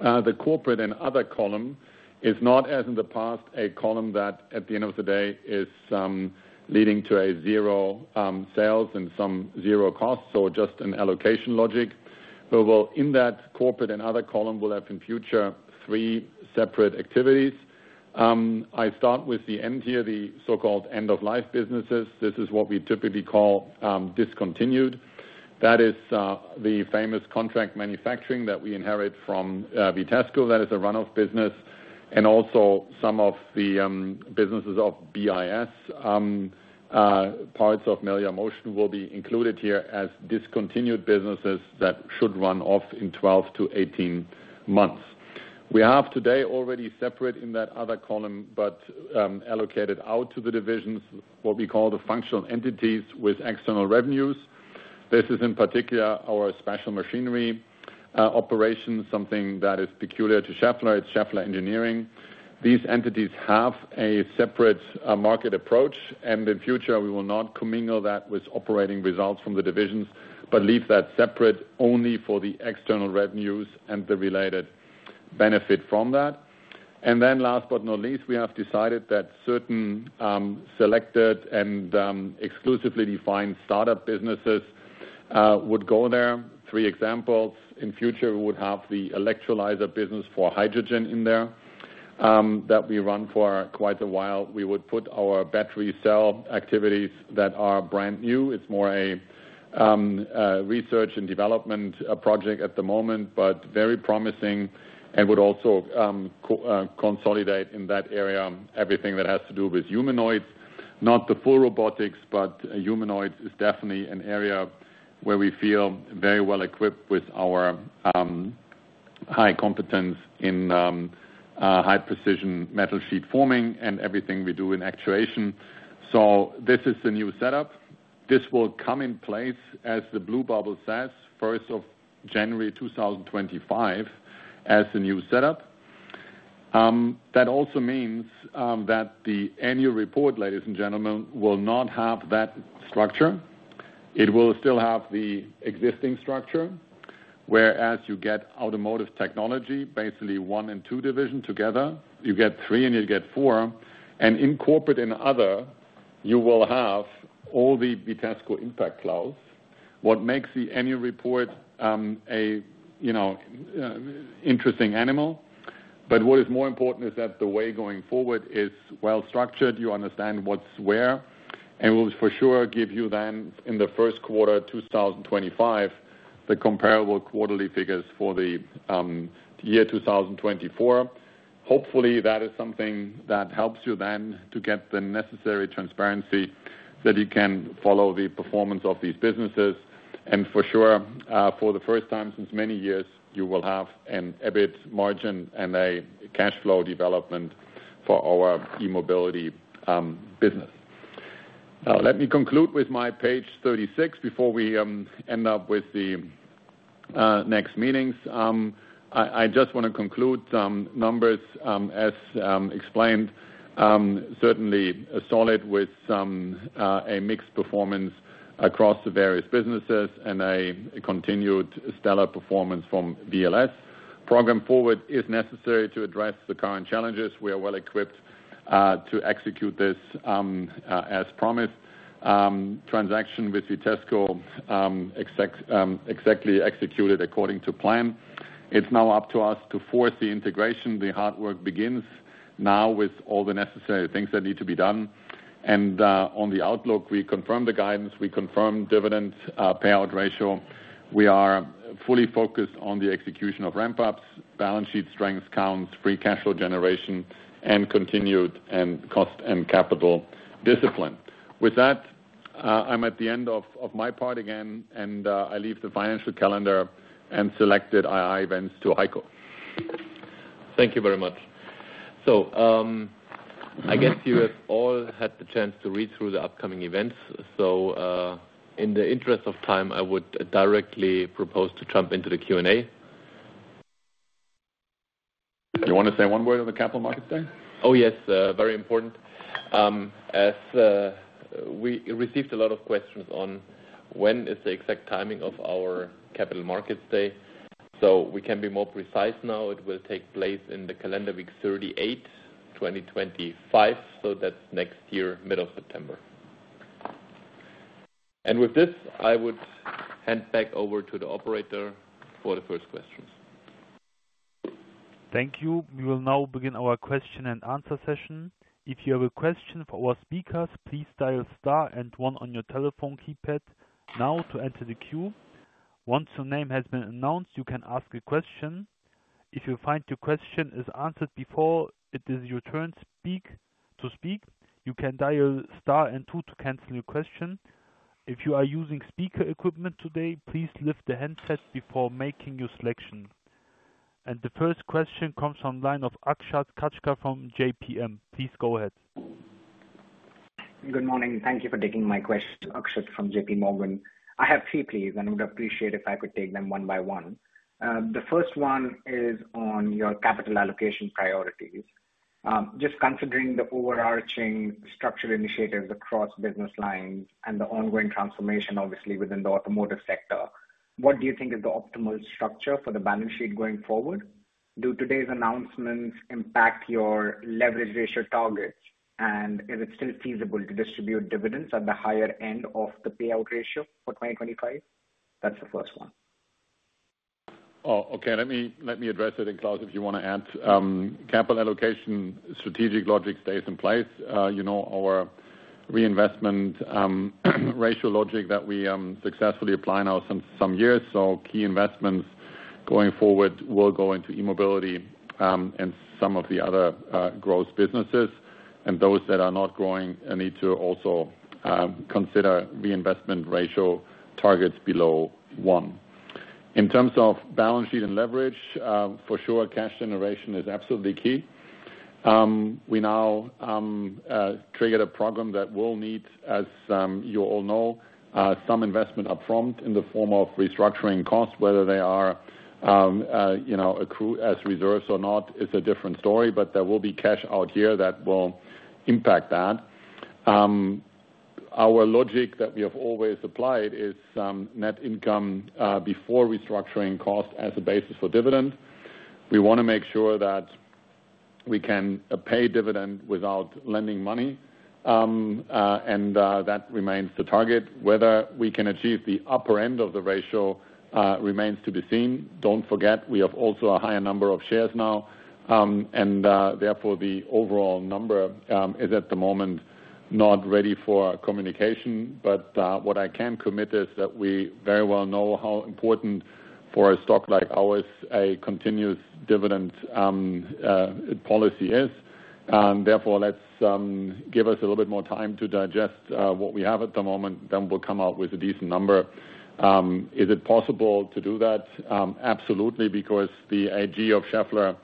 The corporate and other column is not, as in the past, a column that at the end of the day is leading to a zero sales and some zero costs, so just an allocation logic. In that corporate and other column, we'll have in future three separate activities. I start with the end here, the so-called end-of-life businesses. This is what we typically call discontinued. That is the famous contract manufacturing that we inherit from Vitesco that is a run-off business. And also some of the businesses of BIS, parts of Melior Motion will be included here as discontinued businesses that should run off in 12 to 18 months. We have today already separate in that other column, but allocated out to the divisions what we call the functional entities with external revenues. This is in particular our special machinery operation, something that is peculiar to Schaeffler. It's Schaeffler Engineering. These entities have a separate market approach, and in future, we will not commingle that with operating results from the divisions, but leave that separate only for the external revenues and the related benefit from that. And then last but not least, we have decided that certain selected and exclusively defined startup businesses would go there. Three examples. In future, we would have the electrolyzer business for hydrogen in there that we run for quite a while. We would put our battery cell activities that are brand new. It's more a research and development project at the moment, but very promising and would also consolidate in that area everything that has to do with humanoids. Not the full robotics, but humanoids is definitely an area where we feel very well equipped with our high competence in high precision metal sheet forming and everything we do in actuation. So this is the new setup. This will come in place, as the blue bubble says, 1st of January 2025 as the new setup. That also means that the annual report, ladies and gentlemen, will not have that structure. It will still have the existing structure, whereas you get automotive technology, basically one and two division together. You get three and you get four. And in corporate and other, you will have all the Vitesco impact, Klaus. What makes the annual report an interesting animal? But what is more important is that the way going forward is well structured. You understand what's where. And we'll for sure give you then in the first quarter of 2025, the comparable quarterly figures for the year 2024. Hopefully, that is something that helps you then to get the necessary transparency that you can follow the performance of these businesses. For sure, for the first time since many years, you will have an EBIT margin and a cash flow development for our e-mobility business. Now, let me conclude with my page 36 before we end up with the next meetings. I just want to conclude some numbers as explained. Certainly solid with a mixed performance across the various businesses and a continued stellar performance from VLS. Program Forward is necessary to address the current challenges. We are well equipped to execute this as promised. Transaction with Vitesco exactly executed according to plan. It's now up to us to force the integration. The hard work begins now with all the necessary things that need to be done. On the outlook, we confirm the guidance. We confirm dividend payout ratio. We are fully focused on the execution of ramp-ups, balance sheet strength counts, free cash flow generation, and continued cost and capital discipline. With that, I'm at the end of my part again, and I leave the financial calendar and selected key events to Heiko. Thank you very much. So I guess you have all had the chance to read through the upcoming events. So in the interest of time, I would directly propose to jump into the Q&A. You want to say one word on the capital markets day? Oh, yes. Very important. We received a lot of questions on when is the exact timing of our capital markets day. So we can be more precise now. It will take place in the calendar week 38, 2025. So that's next year, middle of September. And with this, I would hand back over to the operator for the first questions. Thank you. We will now begin our question and answer session. If you have a question for our speakers, please dial star and one on your telephone keypad now to enter the queue. Once your name has been announced, you can ask a question. If you find your question is answered before it is your turn to speak, you can dial star and two to cancel your question. If you are using speaker equipment today, please lift the handset before making your selection. The first question comes from the line of Akshat Kacker from JPM. Please go ahead. Good morning. Thank you for taking my question, Akshat from JP Morgan. I have three, please, and would appreciate if I could take them one by one. The first one is on your capital allocation priorities. Just considering the overarching structure initiatives across business lines and the ongoing transformation, obviously, within the automotive sector, what do you think is the optimal structure for the balance sheet going forward? Do today's announcements impact your leverage ratio targets? And is it still feasible to distribute dividends at the higher end of the payout ratio for 2025? That's the first one. Oh, okay. Let me address it, Klaus. If you want to add, capital allocation strategic logic stays in place. Our reinvestment ratio logic that we successfully apply now since some years. So key investments going forward will go into e-mobility and some of the other growth businesses. And those that are not growing need to also consider reinvestment ratio targets below one. In terms of balance sheet and leverage, for sure, cash generation is absolutely key. We now triggered a program that will need, as you all know, some investment upfront in the form of restructuring costs, whether they are accrued as reserves or not is a different story, but there will be cash out here that will impact that. Our logic that we have always applied is net income before restructuring cost as a basis for dividend. We want to make sure that we can pay dividend without lending money, and that remains the target. Whether we can achieve the upper end of the ratio remains to be seen. Don't forget, we have also a higher number of shares now, and therefore the overall number is at the moment not ready for communication. But what I can commit is that we very well know how important for a stock like ours a continuous dividend policy is. Therefore, let's give us a little bit more time to digest what we have at the moment. Then we'll come out with a decent number. Is it possible to do that? Absolutely, because Schaeffler AG,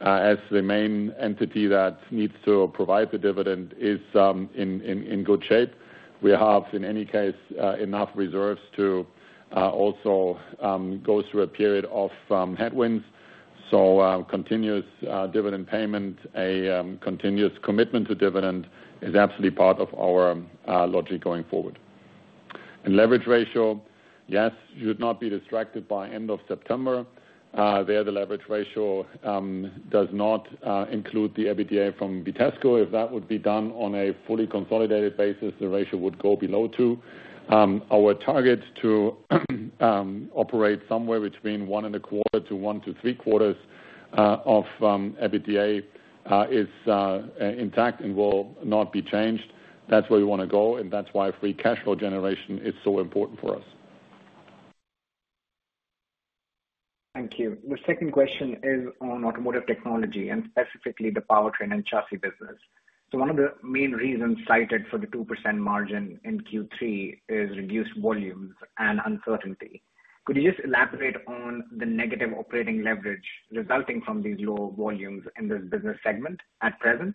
as the main entity that needs to provide the dividend, is in good shape. We have, in any case, enough reserves to also go through a period of headwinds. So continuous dividend payment, a continuous commitment to dividend is absolutely part of our logic going forward. And leverage ratio, yes, should not be distracted by end of September. There, the leverage ratio does not include the EBITDA from Vitesco. If that would be done on a fully consolidated basis, the ratio would go below two. Our target to operate somewhere between one and a quarter to one to three quarters of EBITDA is intact and will not be changed. That's where we want to go, and that's why free cash flow generation is so important for us. Thank you. The second question is on automotive technology and specifically the powertrain and chassis business. So one of the main reasons cited for the 2% margin in Q3 is reduced volumes and uncertainty. Could you just elaborate on the negative operating leverage resulting from these low volumes in this business segment at present?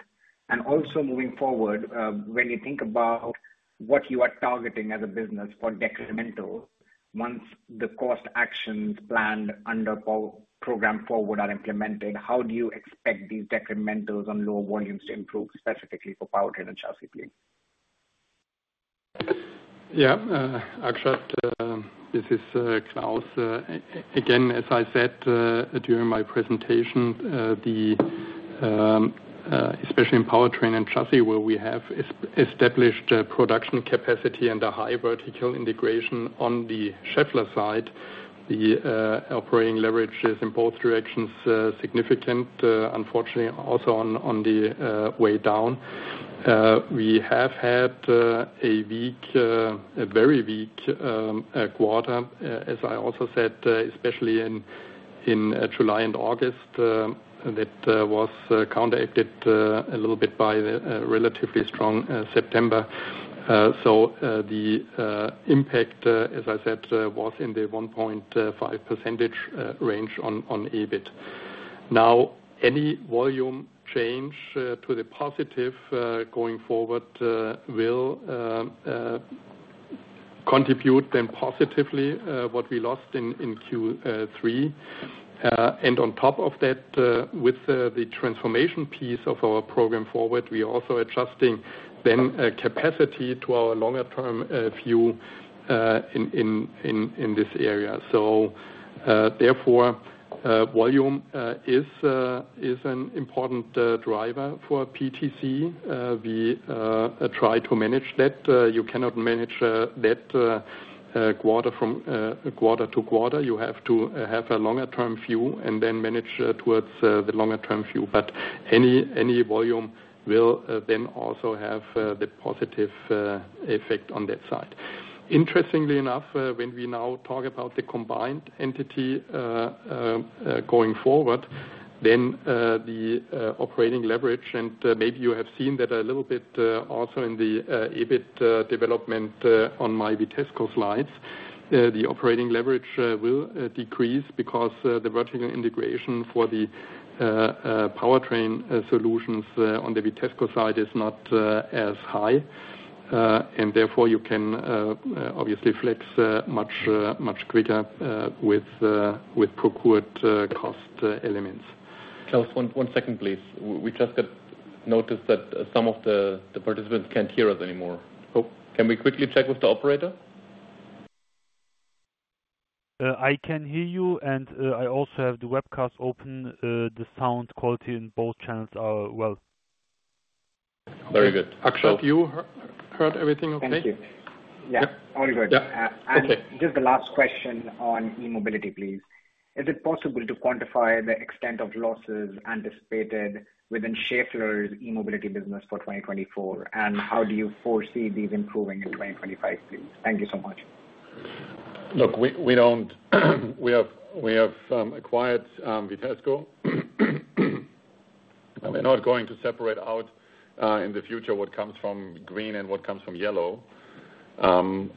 And also moving forward, when you think about what you are targeting as a business for decremental once the cost actions planned under Program Forward are implemented, how do you expect these decrementals on low volumes to improve specifically for powertrain and chassis, please? Yeah. Akshat, this is Klaus. Again, as I said during my presentation, especially in powertrain and chassis, where we have established production capacity and a high vertical integration on the Schaeffler side, the operating leverage is in both directions significant. Unfortunately, also on the way down, we have had a weak, a very weak quarter, as I also said, especially in July and August, that was counteracted a little bit by a relatively strong September. So the impact, as I said, was in the 1.5% range on EBIT. Now, any volume change to the positive going forward will contribute then positively to what we lost in Q3, and on top of that, with the transformation piece of our Program Forward, we are also adjusting then capacity to our longer-term view in this area, so therefore, volume is an important driver for P&C. We try to manage that. You cannot manage that quarter to quarter. You have to have a longer-term view and then manage towards the longer-term view. But any volume will then also have the positive effect on that side. Interestingly enough, when we now talk about the combined entity going forward, then the operating leverage, and maybe you have seen that a little bit also in the EBIT development on my Vitesco slides, the operating leverage will decrease because the vertical integration for the powertrain solutions on the Vitesco side is not as high. And therefore, you can obviously flex much quicker with procured cost elements. Claus, one second, please. We just got notified that some of the participants can't hear us anymore. Can we quickly check with the operator? I can hear you, and I also have the webcast open. The sound quality in both channels are well. Very good. Akshat, you heard everything okay? Thank you. Yeah. Just the last question on e-mobility, please. Is it possible to quantify the extent of losses anticipated within Schaeffler's e-mobility business for 2024? And how do you foresee these improving in 2025, please? Thank you so much. Look, we have acquired Vitesco. We're not going to separate out in the future what comes from green and what comes from yellow.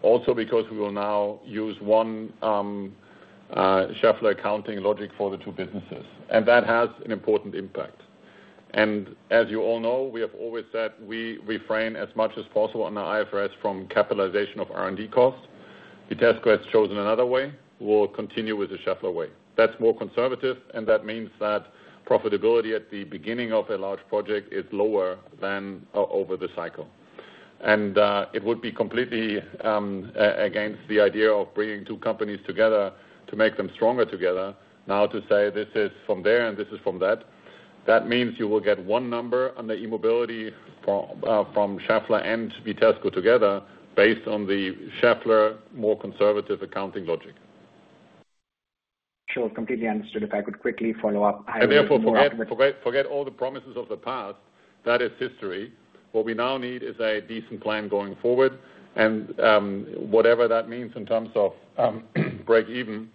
Also because we will now use one Schaeffler accounting logic for the two businesses. And that has an important impact. And as you all know, we have always said we refrain as much as possible on the IFRS from capitalization of R&D costs. Vitesco has chosen another way. We'll continue with the Schaeffler way. That's more conservative, and that means that profitability at the beginning of a large project is lower than over the cycle. And it would be completely against the idea of bringing two companies together to make them stronger together now to say, "This is from there and this is from that." That means you will get one number on the e-mobility from Schaeffler and Vitesco together based on the Schaeffler more conservative accounting logic. Sure. Completely understood. If I could quickly follow up. And therefore, forget all the promises of the past. That is history. What we now need is a decent plan going forward. And whatever that means in terms of break-even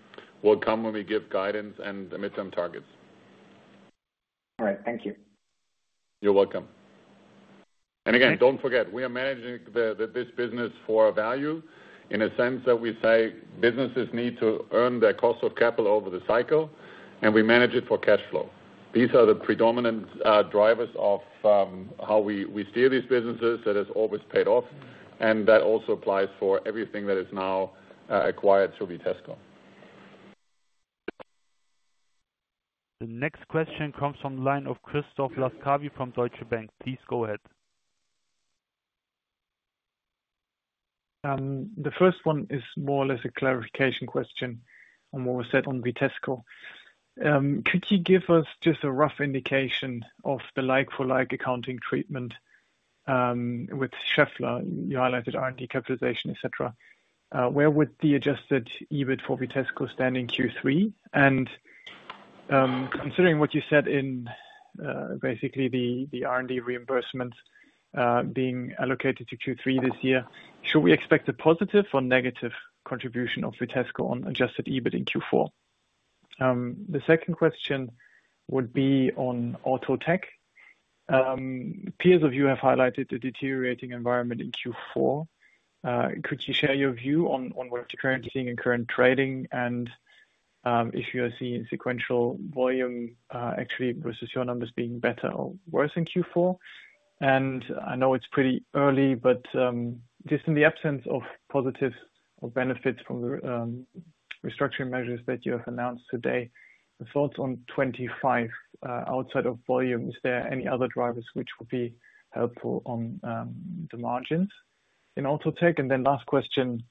will come when we give guidance and midterm targets. All right. Thank you. You're welcome. And again, don't forget, we are managing this business for a value in a sense that we say businesses need to earn their cost of capital over the cycle, and we manage it for cash flow. These are the predominant drivers of how we steer these businesses that has always paid off, and that also applies for everything that is now acquired through Vitesco. The next question comes from the line of Christoph Laskawi from Deutsche Bank. Please go ahead. The first one is more or less a clarification question on what was said on Vitesco. Could you give us just a rough indication of the like-for-like accounting treatment with Schaeffler? You highlighted R&D capitalization, etc. Where would the adjusted EBIT for Vitesco stand in Q3? And considering what you said in basically the R&D reimbursements being allocated to Q3 this year, should we expect a positive or negative contribution of Vitesco on adjusted EBIT in Q4? The second question would be on AutoTech. Peers of you have highlighted the deteriorating environment in Q4. Could you share your view on what you're currently seeing in current trading and if you are seeing sequential volume actually versus your numbers being better or worse in Q4? And I know it's pretty early, but just in the absence of positives or benefits from the restructuring measures that you have announced today, thoughts on 25 outside of volume? Is there any other drivers which would be helpful on the margins in AutoTech? And then last question,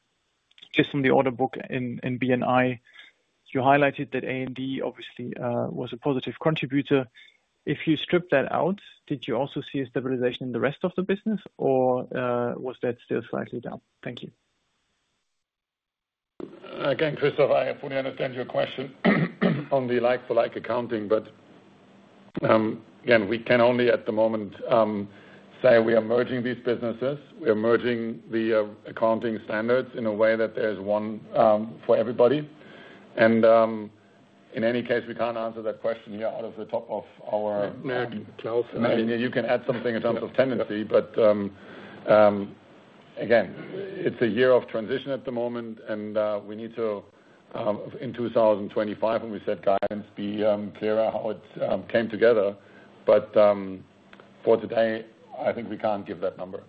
just from the order book in BIS, you highlighted that A&D obviously was a positive contributor. If you strip that out, did you also see a stabilization in the rest of the business, or was that still slightly down? Thank you. Again, Christoph, I fully understand your question on the like-for-like accounting, but again, we can only at the moment say we are merging these businesses. We are merging the accounting standards in a way that there is one for everybody, and in any case, we can't answer that question here out of the top of our head. You can add something in terms of tendency, but again, it's a year of transition at the moment, and we need to, in 2025, when we set guidance, be clearer how it came together, but for today, I think we can't give that number.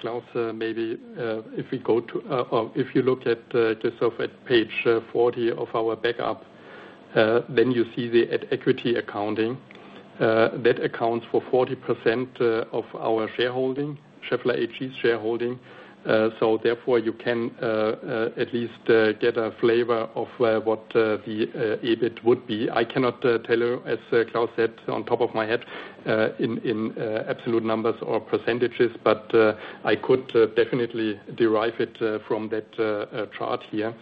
Klaus, maybe if you look at just off at page 40 of our backup, then you see the equity accounting. That accounts for 40% of our shareholding, Schaeffler AG's shareholding. So therefore, you can at least get a flavor of what the EBIT would be. I cannot tell you, as Klaus said, off the top of my head in absolute numbers or percentages, but I could definitely derive it from that chart here.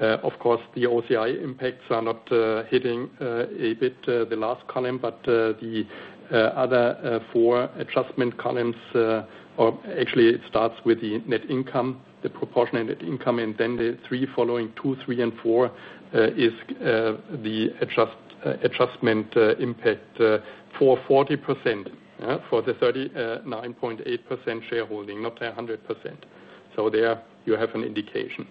Of course, the OCI impacts are not hitting EBIT, the last column, but the other four adjustment columns, or actually, it starts with the net income, the proportionate net income, and then the three following two, three, and four is the adjustment impact for 40% for the 39.8% shareholding, not 100%. So there you have an indication. Okay.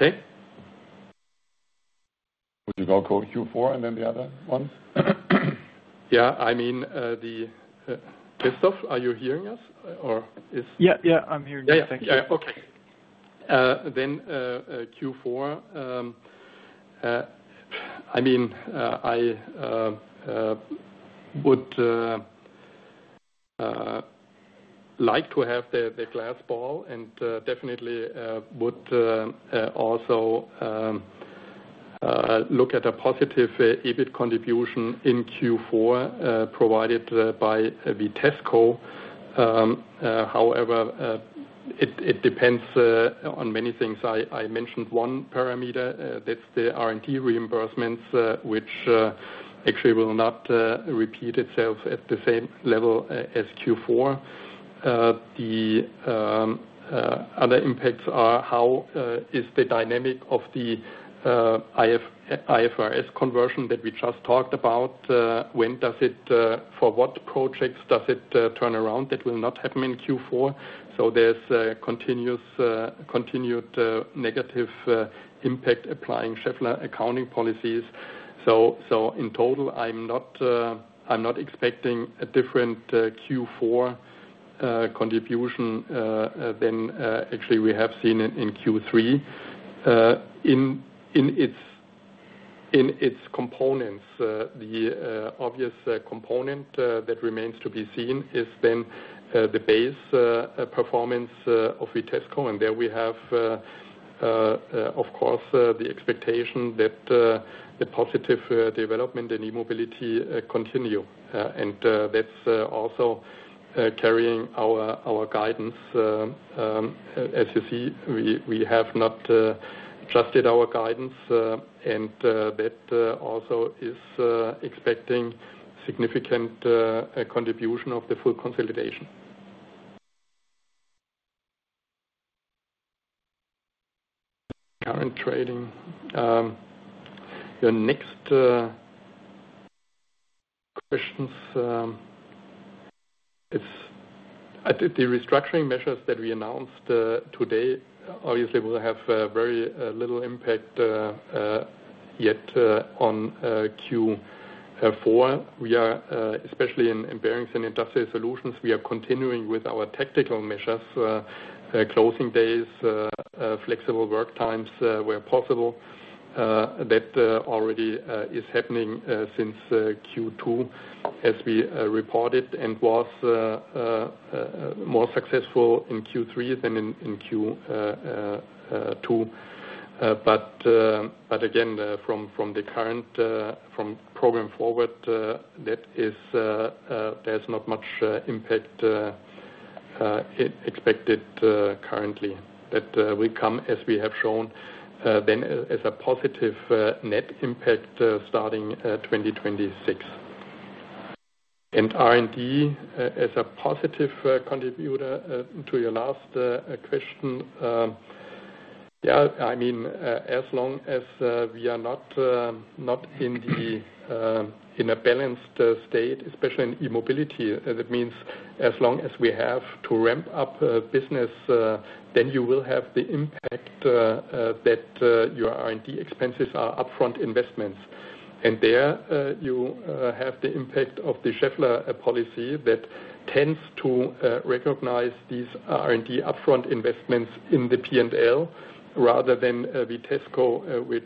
Would you go Q4 and then the other ones? Yeah. I mean, Christoph, are you hearing us, or is? Yeah, yeah. I'm hearing you. Yeah, yeah. Okay. Then Q4, I mean, I would like to have the crystal ball and definitely would also look at a positive EBIT contribution in Q4 provided by Vitesco. However, it depends on many things. I mentioned one parameter. That's the R&D reimbursements, which actually will not repeat itself at the same level as Q4. The other impacts are how is the dynamic of the IFRS conversion that we just talked about? When does it, for what projects does it turn around? That will not happen in Q4. So there's continued negative impact applying Schaeffler accounting policies. So in total, I'm not expecting a different Q4 contribution than actually we have seen in Q3. In its components, the obvious component that remains to be seen is then the base performance of Vitesco. And there we have, of course, the expectation that the positive development in e-mobility continue. And that's also carrying our guidance. As you see, we have not adjusted our guidance, and that also is expecting significant contribution of the full consolidation. Current trading. Your next questions, the restructuring measures that we announced today, obviously, will have very little impact yet on Q4. We are, especially in Bearings and Industrial Solutions, we are continuing with our tactical measures, closing days, flexible work times where possible. That already is happening since Q2, as we reported, and was more successful in Q3 than in Q2. But again, from the current Program Forward, there's not much impact expected currently. That will come, as we have shown, then as a positive net impact starting 2026. And R&D as a positive contributor to your last question. Yeah. I mean, as long as we are not in a balanced state, especially in e-mobility, that means as long as we have to ramp up business, then you will have the impact that your R&D expenses are upfront investments. There you have the impact of the Schaeffler policy that tends to recognize these R&D upfront investments in the P&L rather than Vitesco, which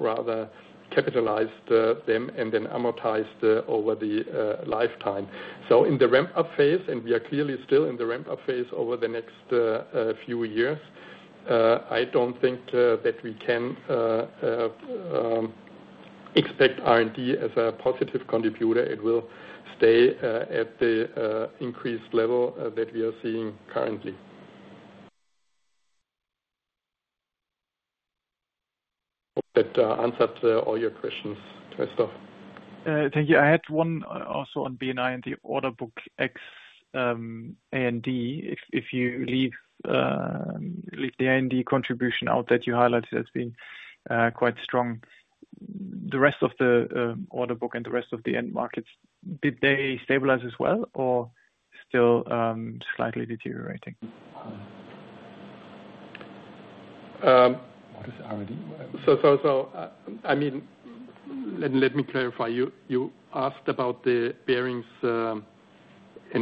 rather capitalized them and then amortized over the lifetime. So in the ramp-up phase, and we are clearly still in the ramp-up phase over the next few years, I don't think that we can expect R&D as a positive contributor. It will stay at the increased level that we are seeing currently. That answered all your questions, Christoph. Thank you. I had one also on BIS and the order book ex A&D. If you leave the A&D contribution out that you highlighted as being quite strong, the rest of the order book and the rest of the end markets, did they stabilize as well or still slightly deteriorating? So I mean, let me clarify. You asked about the bearings and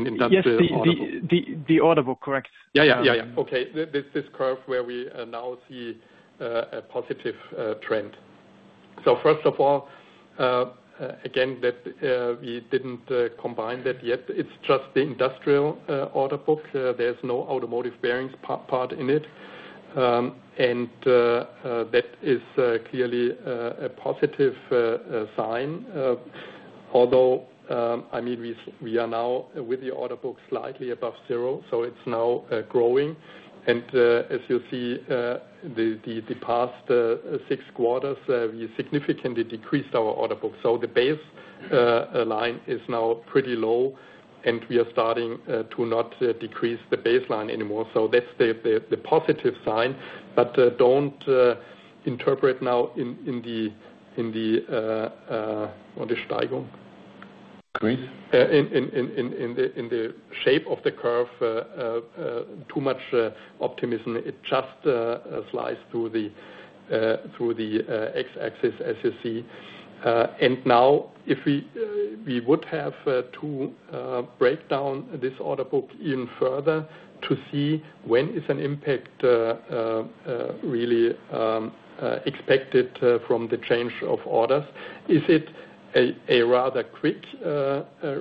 industrial solutions. Yes, the order book, correct. Okay. This curve where we now see a positive trend. So first of all, again, that we didn't combine that yet. It's just the industrial order book. There's no automotive bearings part in it. And that is clearly a positive sign. Although, I mean, we are now with the order book slightly above zero, so it's now growing. And as you see, the past six quarters, we significantly decreased our order book. So the base line is now pretty low, and we are starting to not decrease the baseline anymore. So that's the positive sign. But don't interpret now in the steigung. In the shape of the curve, too much optimism. It just slides through the x-axis, as you see. Now, if we would have to break down this order book even further to see when is an impact really expected from the change of orders, is it a rather quick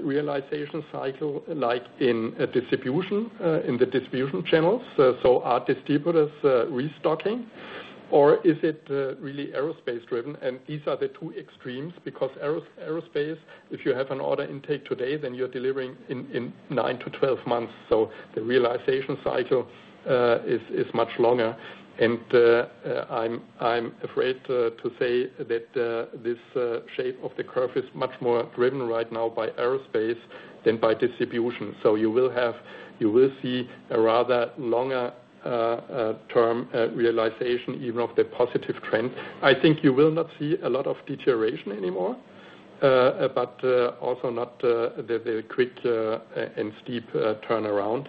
realization cycle like in the distribution channels? Are distributors restocking, or is it really aerospace-driven? These are the two extremes because aerospace, if you have an order intake today, then you're delivering in nine to 12 months. The realization cycle is much longer. I'm afraid to say that this shape of the curve is much more driven right now by aerospace than by distribution. You will see a rather longer-term realization even of the positive trend. I think you will not see a lot of deterioration anymore, but also not the quick and steep turnaround.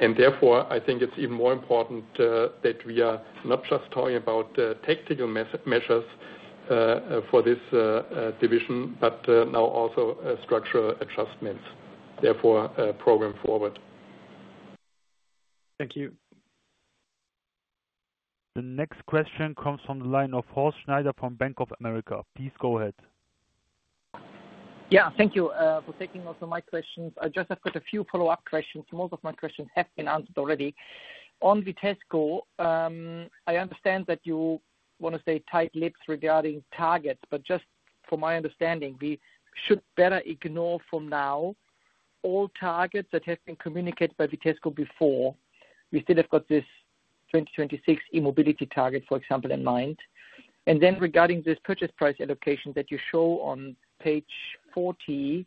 And therefore, I think it's even more important that we are not just talking about tactical measures for this division, but now also structural adjustments. Therefore, Program Forward. Thank you. The next question comes from the line of Horst Schneider from Bank of America. Please go ahead. Yeah. Thank you for taking also my questions. I just have got a few follow-up questions. Most of my questions have been answered already. On Vitesco, I understand that you want to stay tight-lipped regarding targets, but just for my understanding, we should better ignore for now all targets that have been communicated by Vitesco before. We still have got this 2026 e-mobility target, for example, in mind. And then regarding this purchase price allocation that you show on page 40, is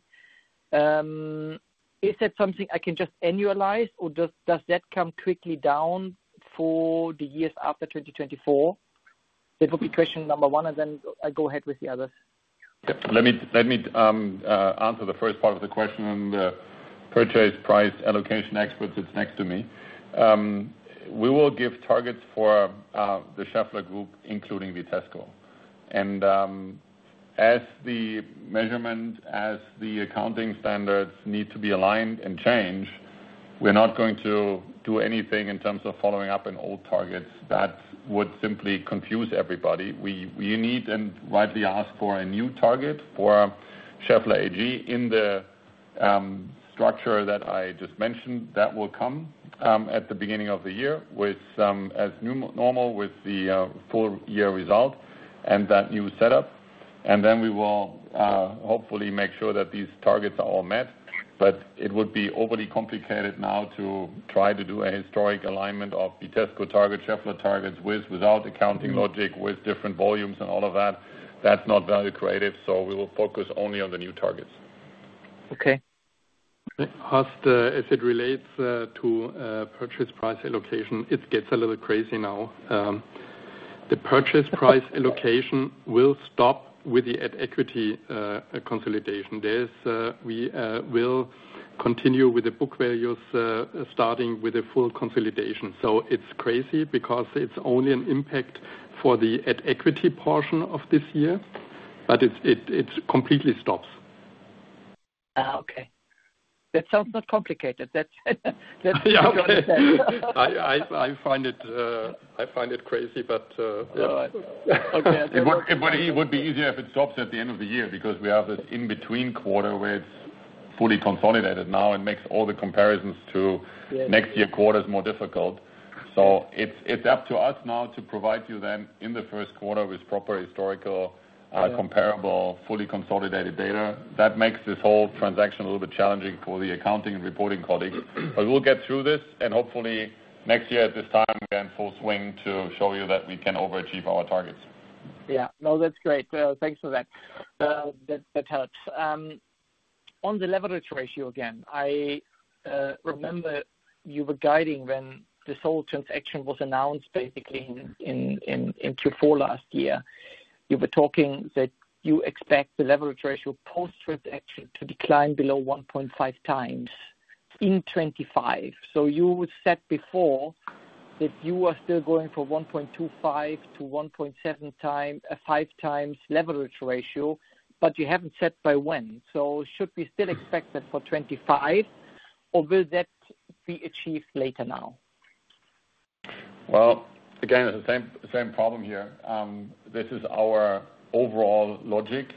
that something I can just annualize, or does that come quickly down for the years after 2024? That would be question number one, and then I'll go ahead with the others. Let me answer the first part of the question. Purchase price allocation experts, it's next to me. We will give targets for the Schaeffler Group, including Vitesco, and as the measurement, as the accounting standards need to be aligned and changed, we're not going to do anything in terms of following up on old targets. That would simply confuse everybody. We need and rightly ask for a new target for Schaeffler AG in the structure that I just mentioned. That will come at the beginning of the year as normal with the full year result and that new setup, and then we will hopefully make sure that these targets are all met. But it would be overly complicated now to try to do a historic alignment of Vitesco targets, Schaeffler targets, with without accounting logic, with different volumes and all of that. That's not value creative. So we will focus only on the new targets. Okay. As it relates to purchase price allocation, it gets a little crazy now. The purchase price allocation will stop with the equity consolidation. We will continue with the book values starting with the full consolidation. So it's crazy because it's only an impact for the equity portion of this year, but it completely stops. Okay. That sounds not complicated. That's what I'm going to say. I find it crazy, but it would be easier if it stops at the end of the year because we have this in-between quarter where it's fully consolidated now and makes all the comparisons to next year quarters more difficult. So it's up to us now to provide you then in the first quarter with proper historical, comparable, fully consolidated data. That makes this whole transaction a little bit challenging for the accounting and reporting colleagues. But we'll get through this, and hopefully, next year at this time, we'll swing to show you that we can overachieve our targets. Yeah. No, that's great. Thanks for that. That helps. On the leverage ratio again, I remember you were guiding when this whole transaction was announced, basically, in Q4 last year. You were talking that you expect the leverage ratio post-transaction to decline below 1.5 times in 2025. So you said before that you are still going for 1.25 to 1.7 times leverage ratio, but you haven't said by when. So should we still expect that for 2025, or will that be achieved later now? Well, again, same problem here. This is our overall logic.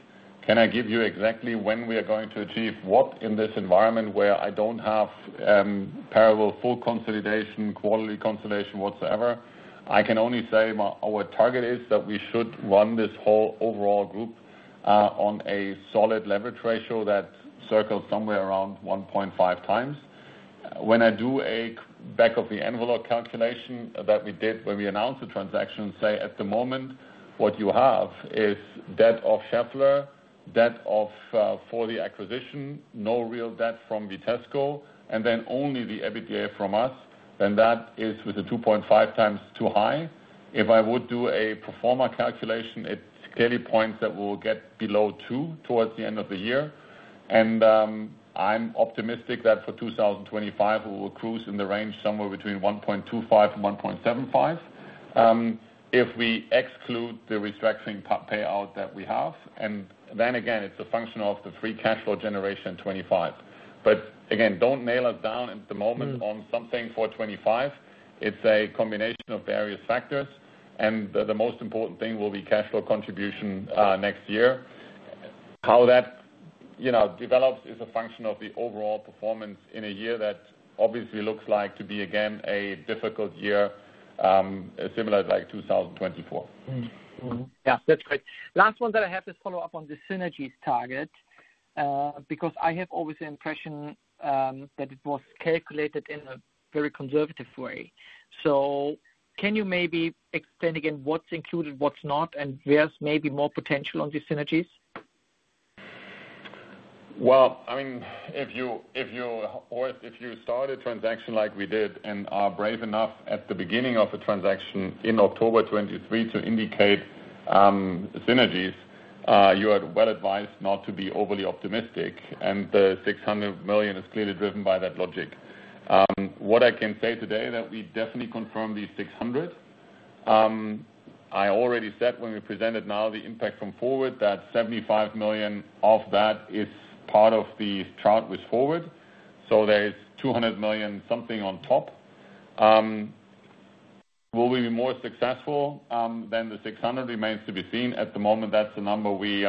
Can I give you exactly when we are going to achieve what in this environment where I don't have parallel full consolidation, equity consolidation whatsoever? I can only say our target is that we should run this whole overall group on a solid leverage ratio that circles somewhere around 1.5 times. When I do a back-of-the-envelope calculation that we did when we announced the transaction, say, at the moment, what you have is debt of Schaeffler, debt for the acquisition, no real debt from Vitesco, and then only the EBITDA from us, then that is with a 2.5 times too high. If I would do a pro forma calculation, it clearly points that we'll get below two towards the end of the year. And I'm optimistic that for 2025, we will cruise in the range somewhere between 1.25 and 1.75 if we exclude the restructuring payout that we have. And then again, it's a function of the free cash flow generation in 2025. But again, don't nail us down at the moment on something for 2025. It's a combination of various factors. And the most important thing will be cash flow contribution next year. How that develops is a function of the overall performance in a year that obviously looks like to be, again, a difficult year, similar like 2024. Yeah. That's great. Last one that I have is follow-up on the synergies target because I have always the impression that it was calculated in a very conservative way. So can you maybe explain again what's included, what's not, and where's maybe more potential on these synergies? I mean, if you start a transaction like we did and are brave enough at the beginning of a transaction in October 2023 to indicate synergies, you are well advised not to be overly optimistic. The 600 million is clearly driven by that logic. What I can say today is that we definitely confirm the 600. I already said when we presented now the impact from Forward that 75 million of that is part of the chart with Forward. So there is 200 million something on top. Will we be more successful than the 600? Remains to be seen. At the moment, that's the number we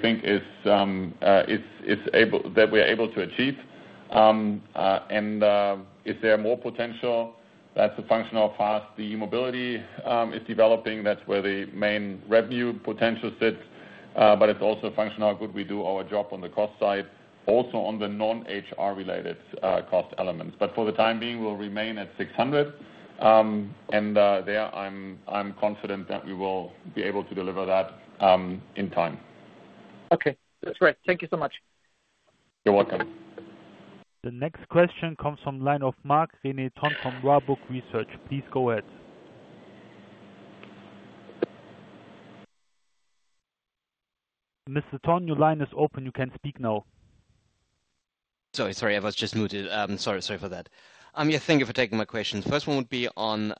think that we are able to achieve. If there are more potential, that's a function of how fast the e-mobility is developing. That's where the main revenue potential sits. But it's also a function of how good we do our job on the cost side, also on the non-HR-related cost elements. But for the time being, we'll remain at 600. And there, I'm confident that we will be able to deliver that in time. Okay. That's right. Thank you so much. You're welcome. The next question comes from the line of Marc-René Tonn from Warburg Research. Please go ahead. Mr. Tonn, your line is open. You can speak now. Sorry, sorry. I was just muted. Sorry, sorry for that. Yeah, thank you for taking my questions. First one would be on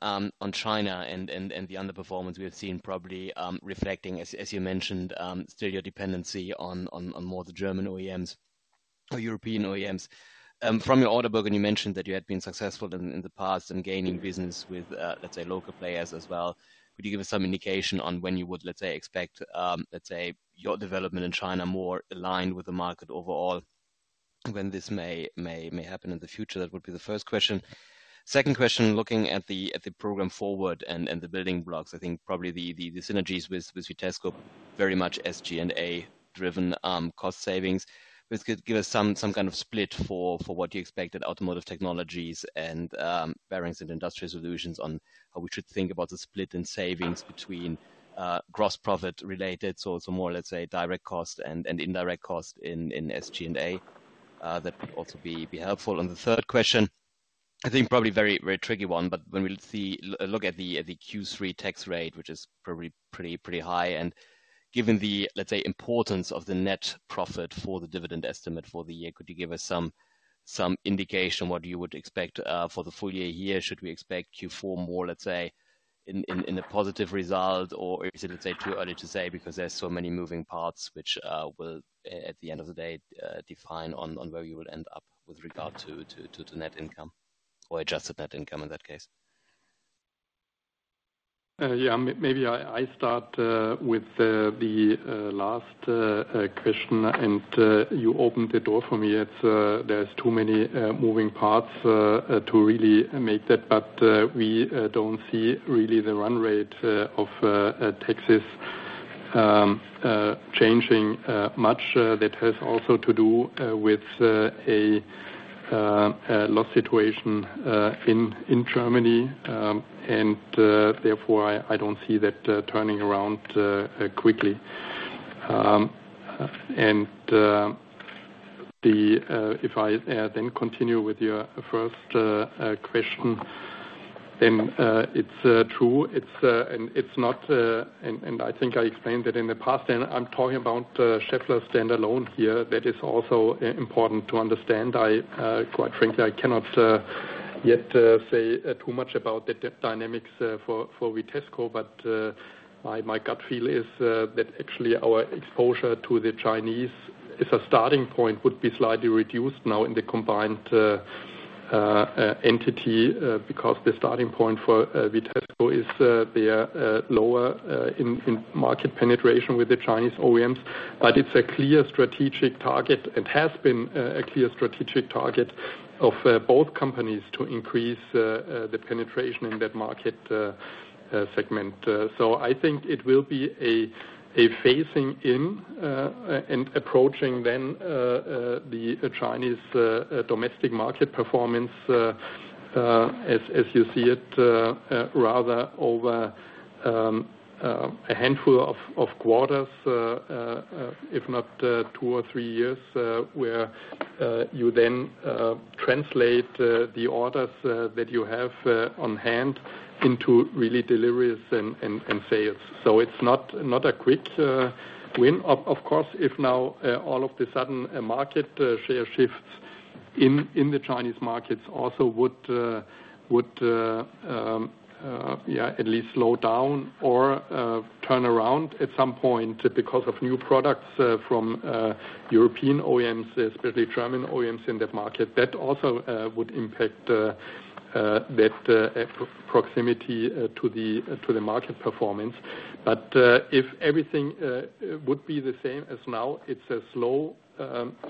China and the underperformance we have seen probably reflecting, as you mentioned, still your dependency on more of the German OEMs or European OEMs. From your order book, and you mentioned that you had been successful in the past in gaining business with, let's say, local players as well. Could you give us some indication on when you would, let's say, expect, let's say, your development in China more aligned with the market overall when this may happen in the future? That would be the first question. Second question, looking at the Program Forward and the building blocks, I think probably the synergies with Vitesco, very much SG&A-driven cost savings. Could you give us some kind of split for what you expect at automotive technologies and Bearings and Industrial Solutions on how we should think about the split in savings between gross profit-related, so more, let's say, direct cost and indirect cost in SG&A? That would also be helpful. The third question, I think probably a very tricky one, but when we look at the Q3 tax rate, which is probably pretty high, and given the, let's say, importance of the net profit for the dividend estimate for the year, could you give us some indication of what you would expect for the full year here? Should we expect Q4 more, let's say, in a positive result, or is it, let's say, too early to say because there's so many moving parts which will, at the end of the day, define on where you will end up with regard to net income or adjusted net income in that case? Yeah. Maybe I start with the last question, and you opened the door for me. There's too many moving parts to really make that, but we don't see really the run rate of taxes changing much. That has also to do with a loss situation in Germany, and therefore, I don't see that turning around quickly. And if I then continue with your first question, then it's true. And I think I explained that in the past. And I'm talking about Schaeffler standalone here. That is also important to understand. Quite frankly, I cannot yet say too much about the dynamics for Vitesco, but my gut feel is that actually our exposure to the Chinese as a starting point would be slightly reduced now in the combined entity because the starting point for Vitesco is they are lower in market penetration with the Chinese OEMs. But it's a clear strategic target, and has been a clear strategic target of both companies to increase the penetration in that market segment. So I think it will be a phasing in and approaching then the Chinese domestic market performance as you see it rather over a handful of quarters, if not two or three years, where you then translate the orders that you have on hand into really deliveries and sales. So it's not a quick win. Of course, if now all of a sudden market share shifts in the Chinese markets also would, yeah, at least slow down or turn around at some point because of new products from European OEMs, especially German OEMs in that market. That also would impact that proximity to the market performance. But if everything would be the same as now, it's a slow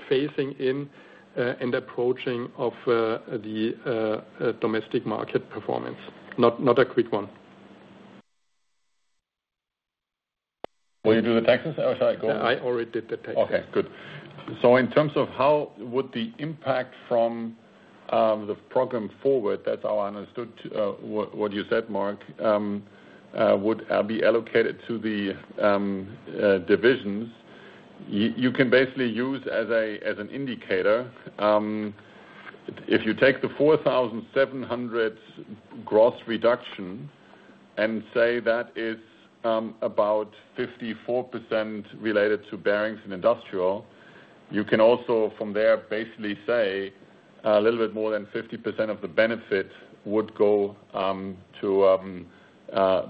phasing in and approaching of the domestic market performance, not a quick one. Will you do the taxes? Oh, sorry. Go ahead. I already did the taxes. Okay. Good. So in terms of how would the impact from the Program Forward, that's how I understood what you said, Mark, would be allocated to the divisions. You can basically use as an indicator. If you take the 4,700 gross reduction and say that is about 54% related to Bearings and Industrial, you can also from there basically say a little bit more than 50% of the benefit would go to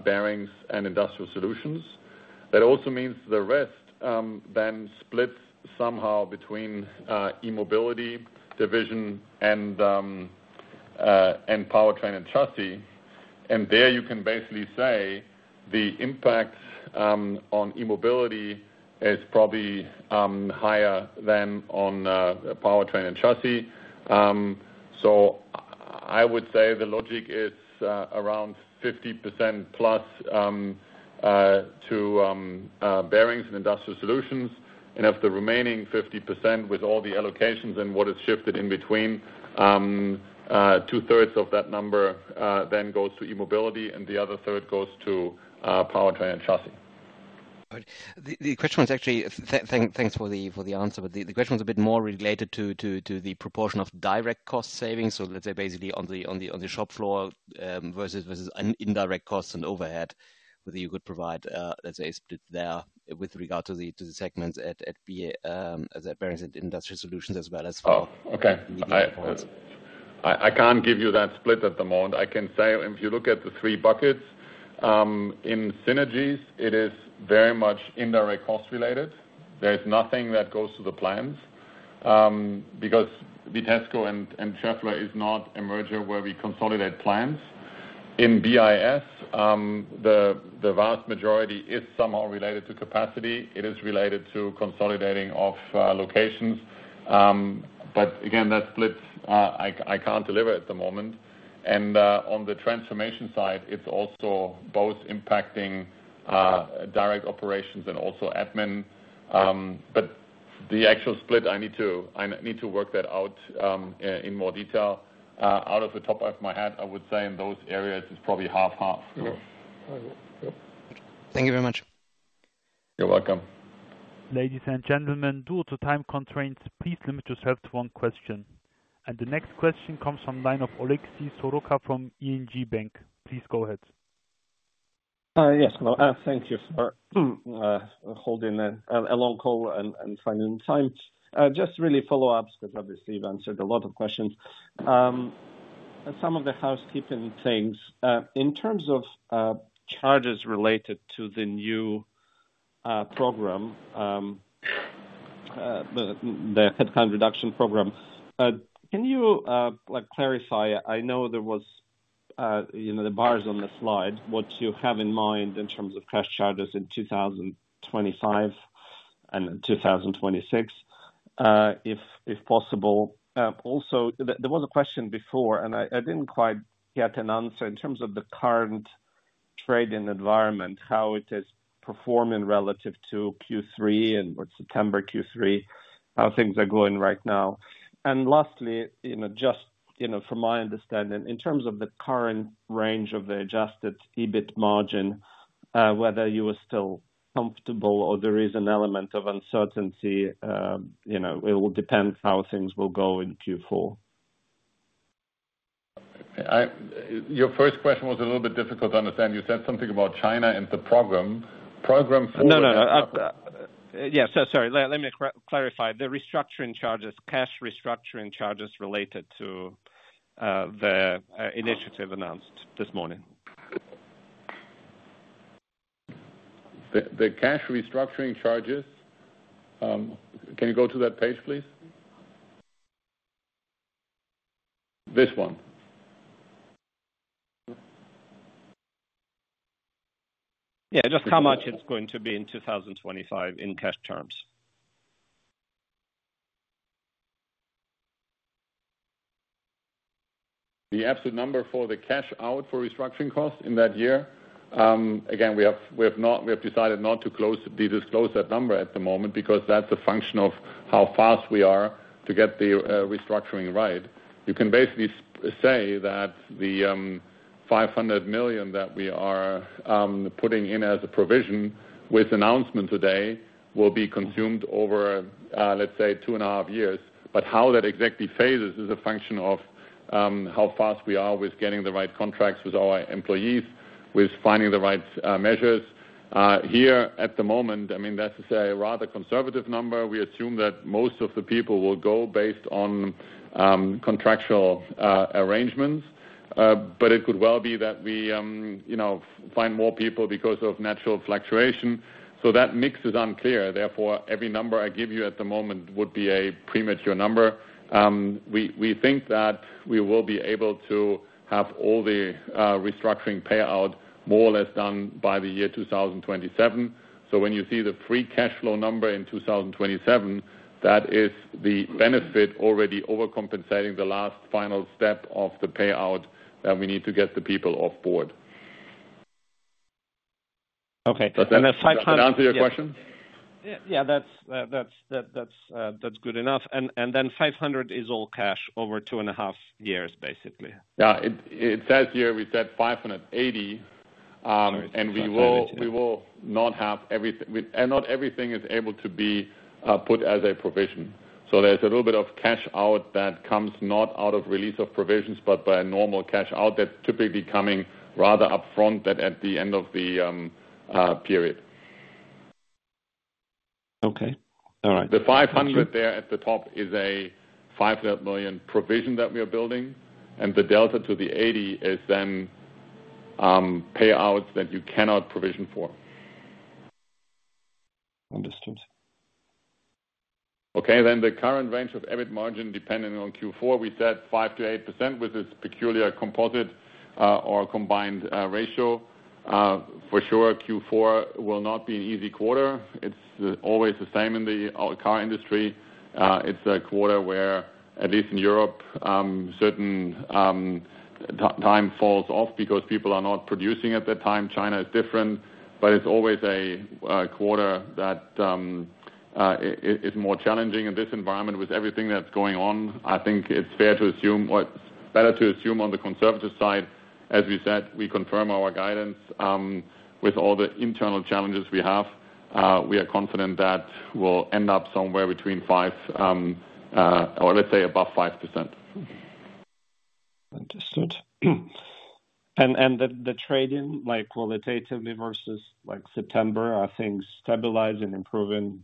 Bearings and Industrial Solutions. That also means the rest then splits somehow between E-Mobility division and Powertrain and Chassis. And there you can basically say the impact on E-Mobility is probably higher than on Powertrain and Chassis. So I would say the logic is around 50%+ to Bearings and Industrial Solutions. Of the remaining 50% with all the allocations and what is shifted in between, two-thirds of that number then goes to e-mobility, and the other third goes to powertrain and chassis. The question was actually thanks for the answer, but the question was a bit more related to the proportion of direct cost savings. So let's say basically on the shop floor versus indirect costs and overhead that you could provide, let's say, split there with regard to the segments at bearings and industrial solutions as well as for e-mobility. I can't give you that split at the moment. I can say if you look at the three buckets in synergies, it is very much indirect cost related. There is nothing that goes to the plants because Vitesco and Schaeffler is not a merger where we consolidate plants. In BIS, the vast majority is somehow related to capacity. It is related to consolidation of locations. But again, that split, I can't deliver at the moment. And on the transformation side, it's also both impacting direct operations and also admin. But the actual split, I need to work that out in more detail. Off the top of my head, I would say in those areas, it's probably half-half. Thank you very much. You're welcome. Ladies and gentlemen, due to time constraints, please limit yourself to one question. And the next question comes from the line of Oleksiy Soroka from ING Bank. Please go ahead. Yes. Thank you for holding a long call and finding the time. Just really follow-ups because obviously, you've answered a lot of questions. Some of the housekeeping things. In terms of charges related to the new program, the headcount reduction program, can you clarify? I know there was the bars on the slide. What you have in mind in terms of cash charges in 2025 and 2026, if possible? Also, there was a question before, and I didn't quite get an answer. In terms of the current trading environment, how it is performing relative to Q3 and September Q3, how things are going right now? And lastly, just from my understanding, in terms of the current range of the adjusted EBIT margin, whether you are still comfortable or there is an element of uncertainty, it will depend how things will go in Q4. Your first question was a little bit difficult to understand. You said something about China and the program. Program Forward. No, no, no. Yeah. Sorry, sorry. Let me clarify. The restructuring charges, cash restructuring charges related to the initiative announced this morning. The cash restructuring charges. Can you go to that page, please? This one. Yeah. Just how much it's going to be in 2025 in cash terms. The absolute number for the cash out for restructuring costs in that year. Again, we have decided not to disclose that number at the moment because that's a function of how fast we are to get the restructuring right. You can basically say that the 500 million that we are putting in as a provision with announcement today will be consumed over, let's say, two and a half years. But how that exactly phases is a function of how fast we are with getting the right contracts with our employees, with finding the right measures. Here at the moment, I mean, that's a rather conservative number. We assume that most of the people will go based on contractual arrangements. But it could well be that we find more people because of natural fluctuation. So that mix is unclear. Therefore, every number I give you at the moment would be a premature number. We think that we will be able to have all the restructuring payout more or less done by the year 2027. So when you see the free cash flow number in 2027, that is the benefit already overcompensating the last final step of the payout that we need to get the people off board. Okay. And that's 500. Does that answer your question? Yeah. That's good enough. And then 500 is all cash over two and a half years, basically. Yeah. It says here we said 580, and we will not have everything. And not everything is able to be put as a provision. So there's a little bit of cash out that comes not out of release of provisions, but by a normal cash out that's typically coming rather upfront at the end of the period. Okay. All right. The 500 there at the top is a 500 million provision that we are building. And the delta to the 80 is then payouts that you cannot provision for. Understood. Okay. Then the current range of EBIT margin depending on Q4, we said 5% to 8% with this peculiar composite or combined ratio. For sure, Q4 will not be an easy quarter. It's always the same in the car industry. It's a quarter where, at least in Europe, certain time falls off because people are not producing at that time. China is different. But it's always a quarter that is more challenging in this environment with everything that's going on. I think it's fair to assume or it's better to assume on the conservative side. As we said, we confirm our guidance with all the internal challenges we have. We are confident that we'll end up somewhere between 5% or let's say above 5%. Understood, and the trading, qualitatively versus September, I think stabilizing and improving,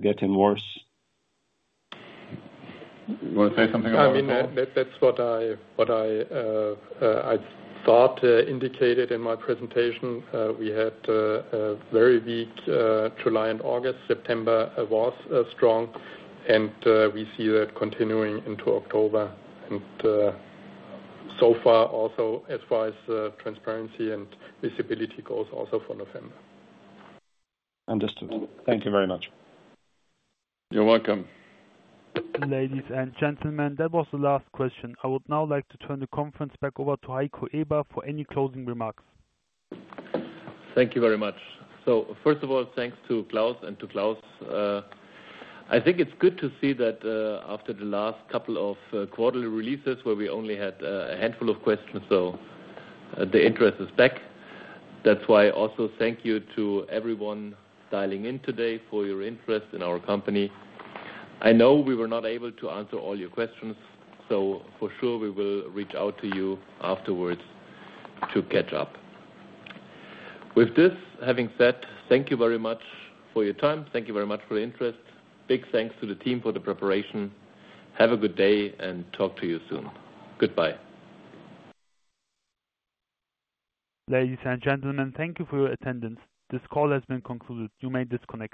getting worse. You want to say something about that? I mean, that's what I thought indicated in my presentation. We had a very weak July and August. September was strong, and we see that continuing into October, and so far, also as far as transparency and visibility goes, also for November. Understood. Thank you very much. You're welcome. Ladies and gentlemen, that was the last question. I would now like to turn the conference back over to Heiko Eber for any closing remarks. Thank you very much. So first of all, thanks to Klaus and to Claus. I think it's good to see that after the last couple of quarterly releases where we only had a handful of questions, so the interest is back. That's why I also thank you to everyone dialing in today for your interest in our company. I know we were not able to answer all your questions, so for sure, we will reach out to you afterwards to catch up. With this having said, thank you very much for your time. Thank you very much for the interest. Big thanks to the team for the preparation. Have a good day and talk to you soon. Goodbye. Ladies and gentlemen, thank you for your attendance. This call has been concluded. You may disconnect.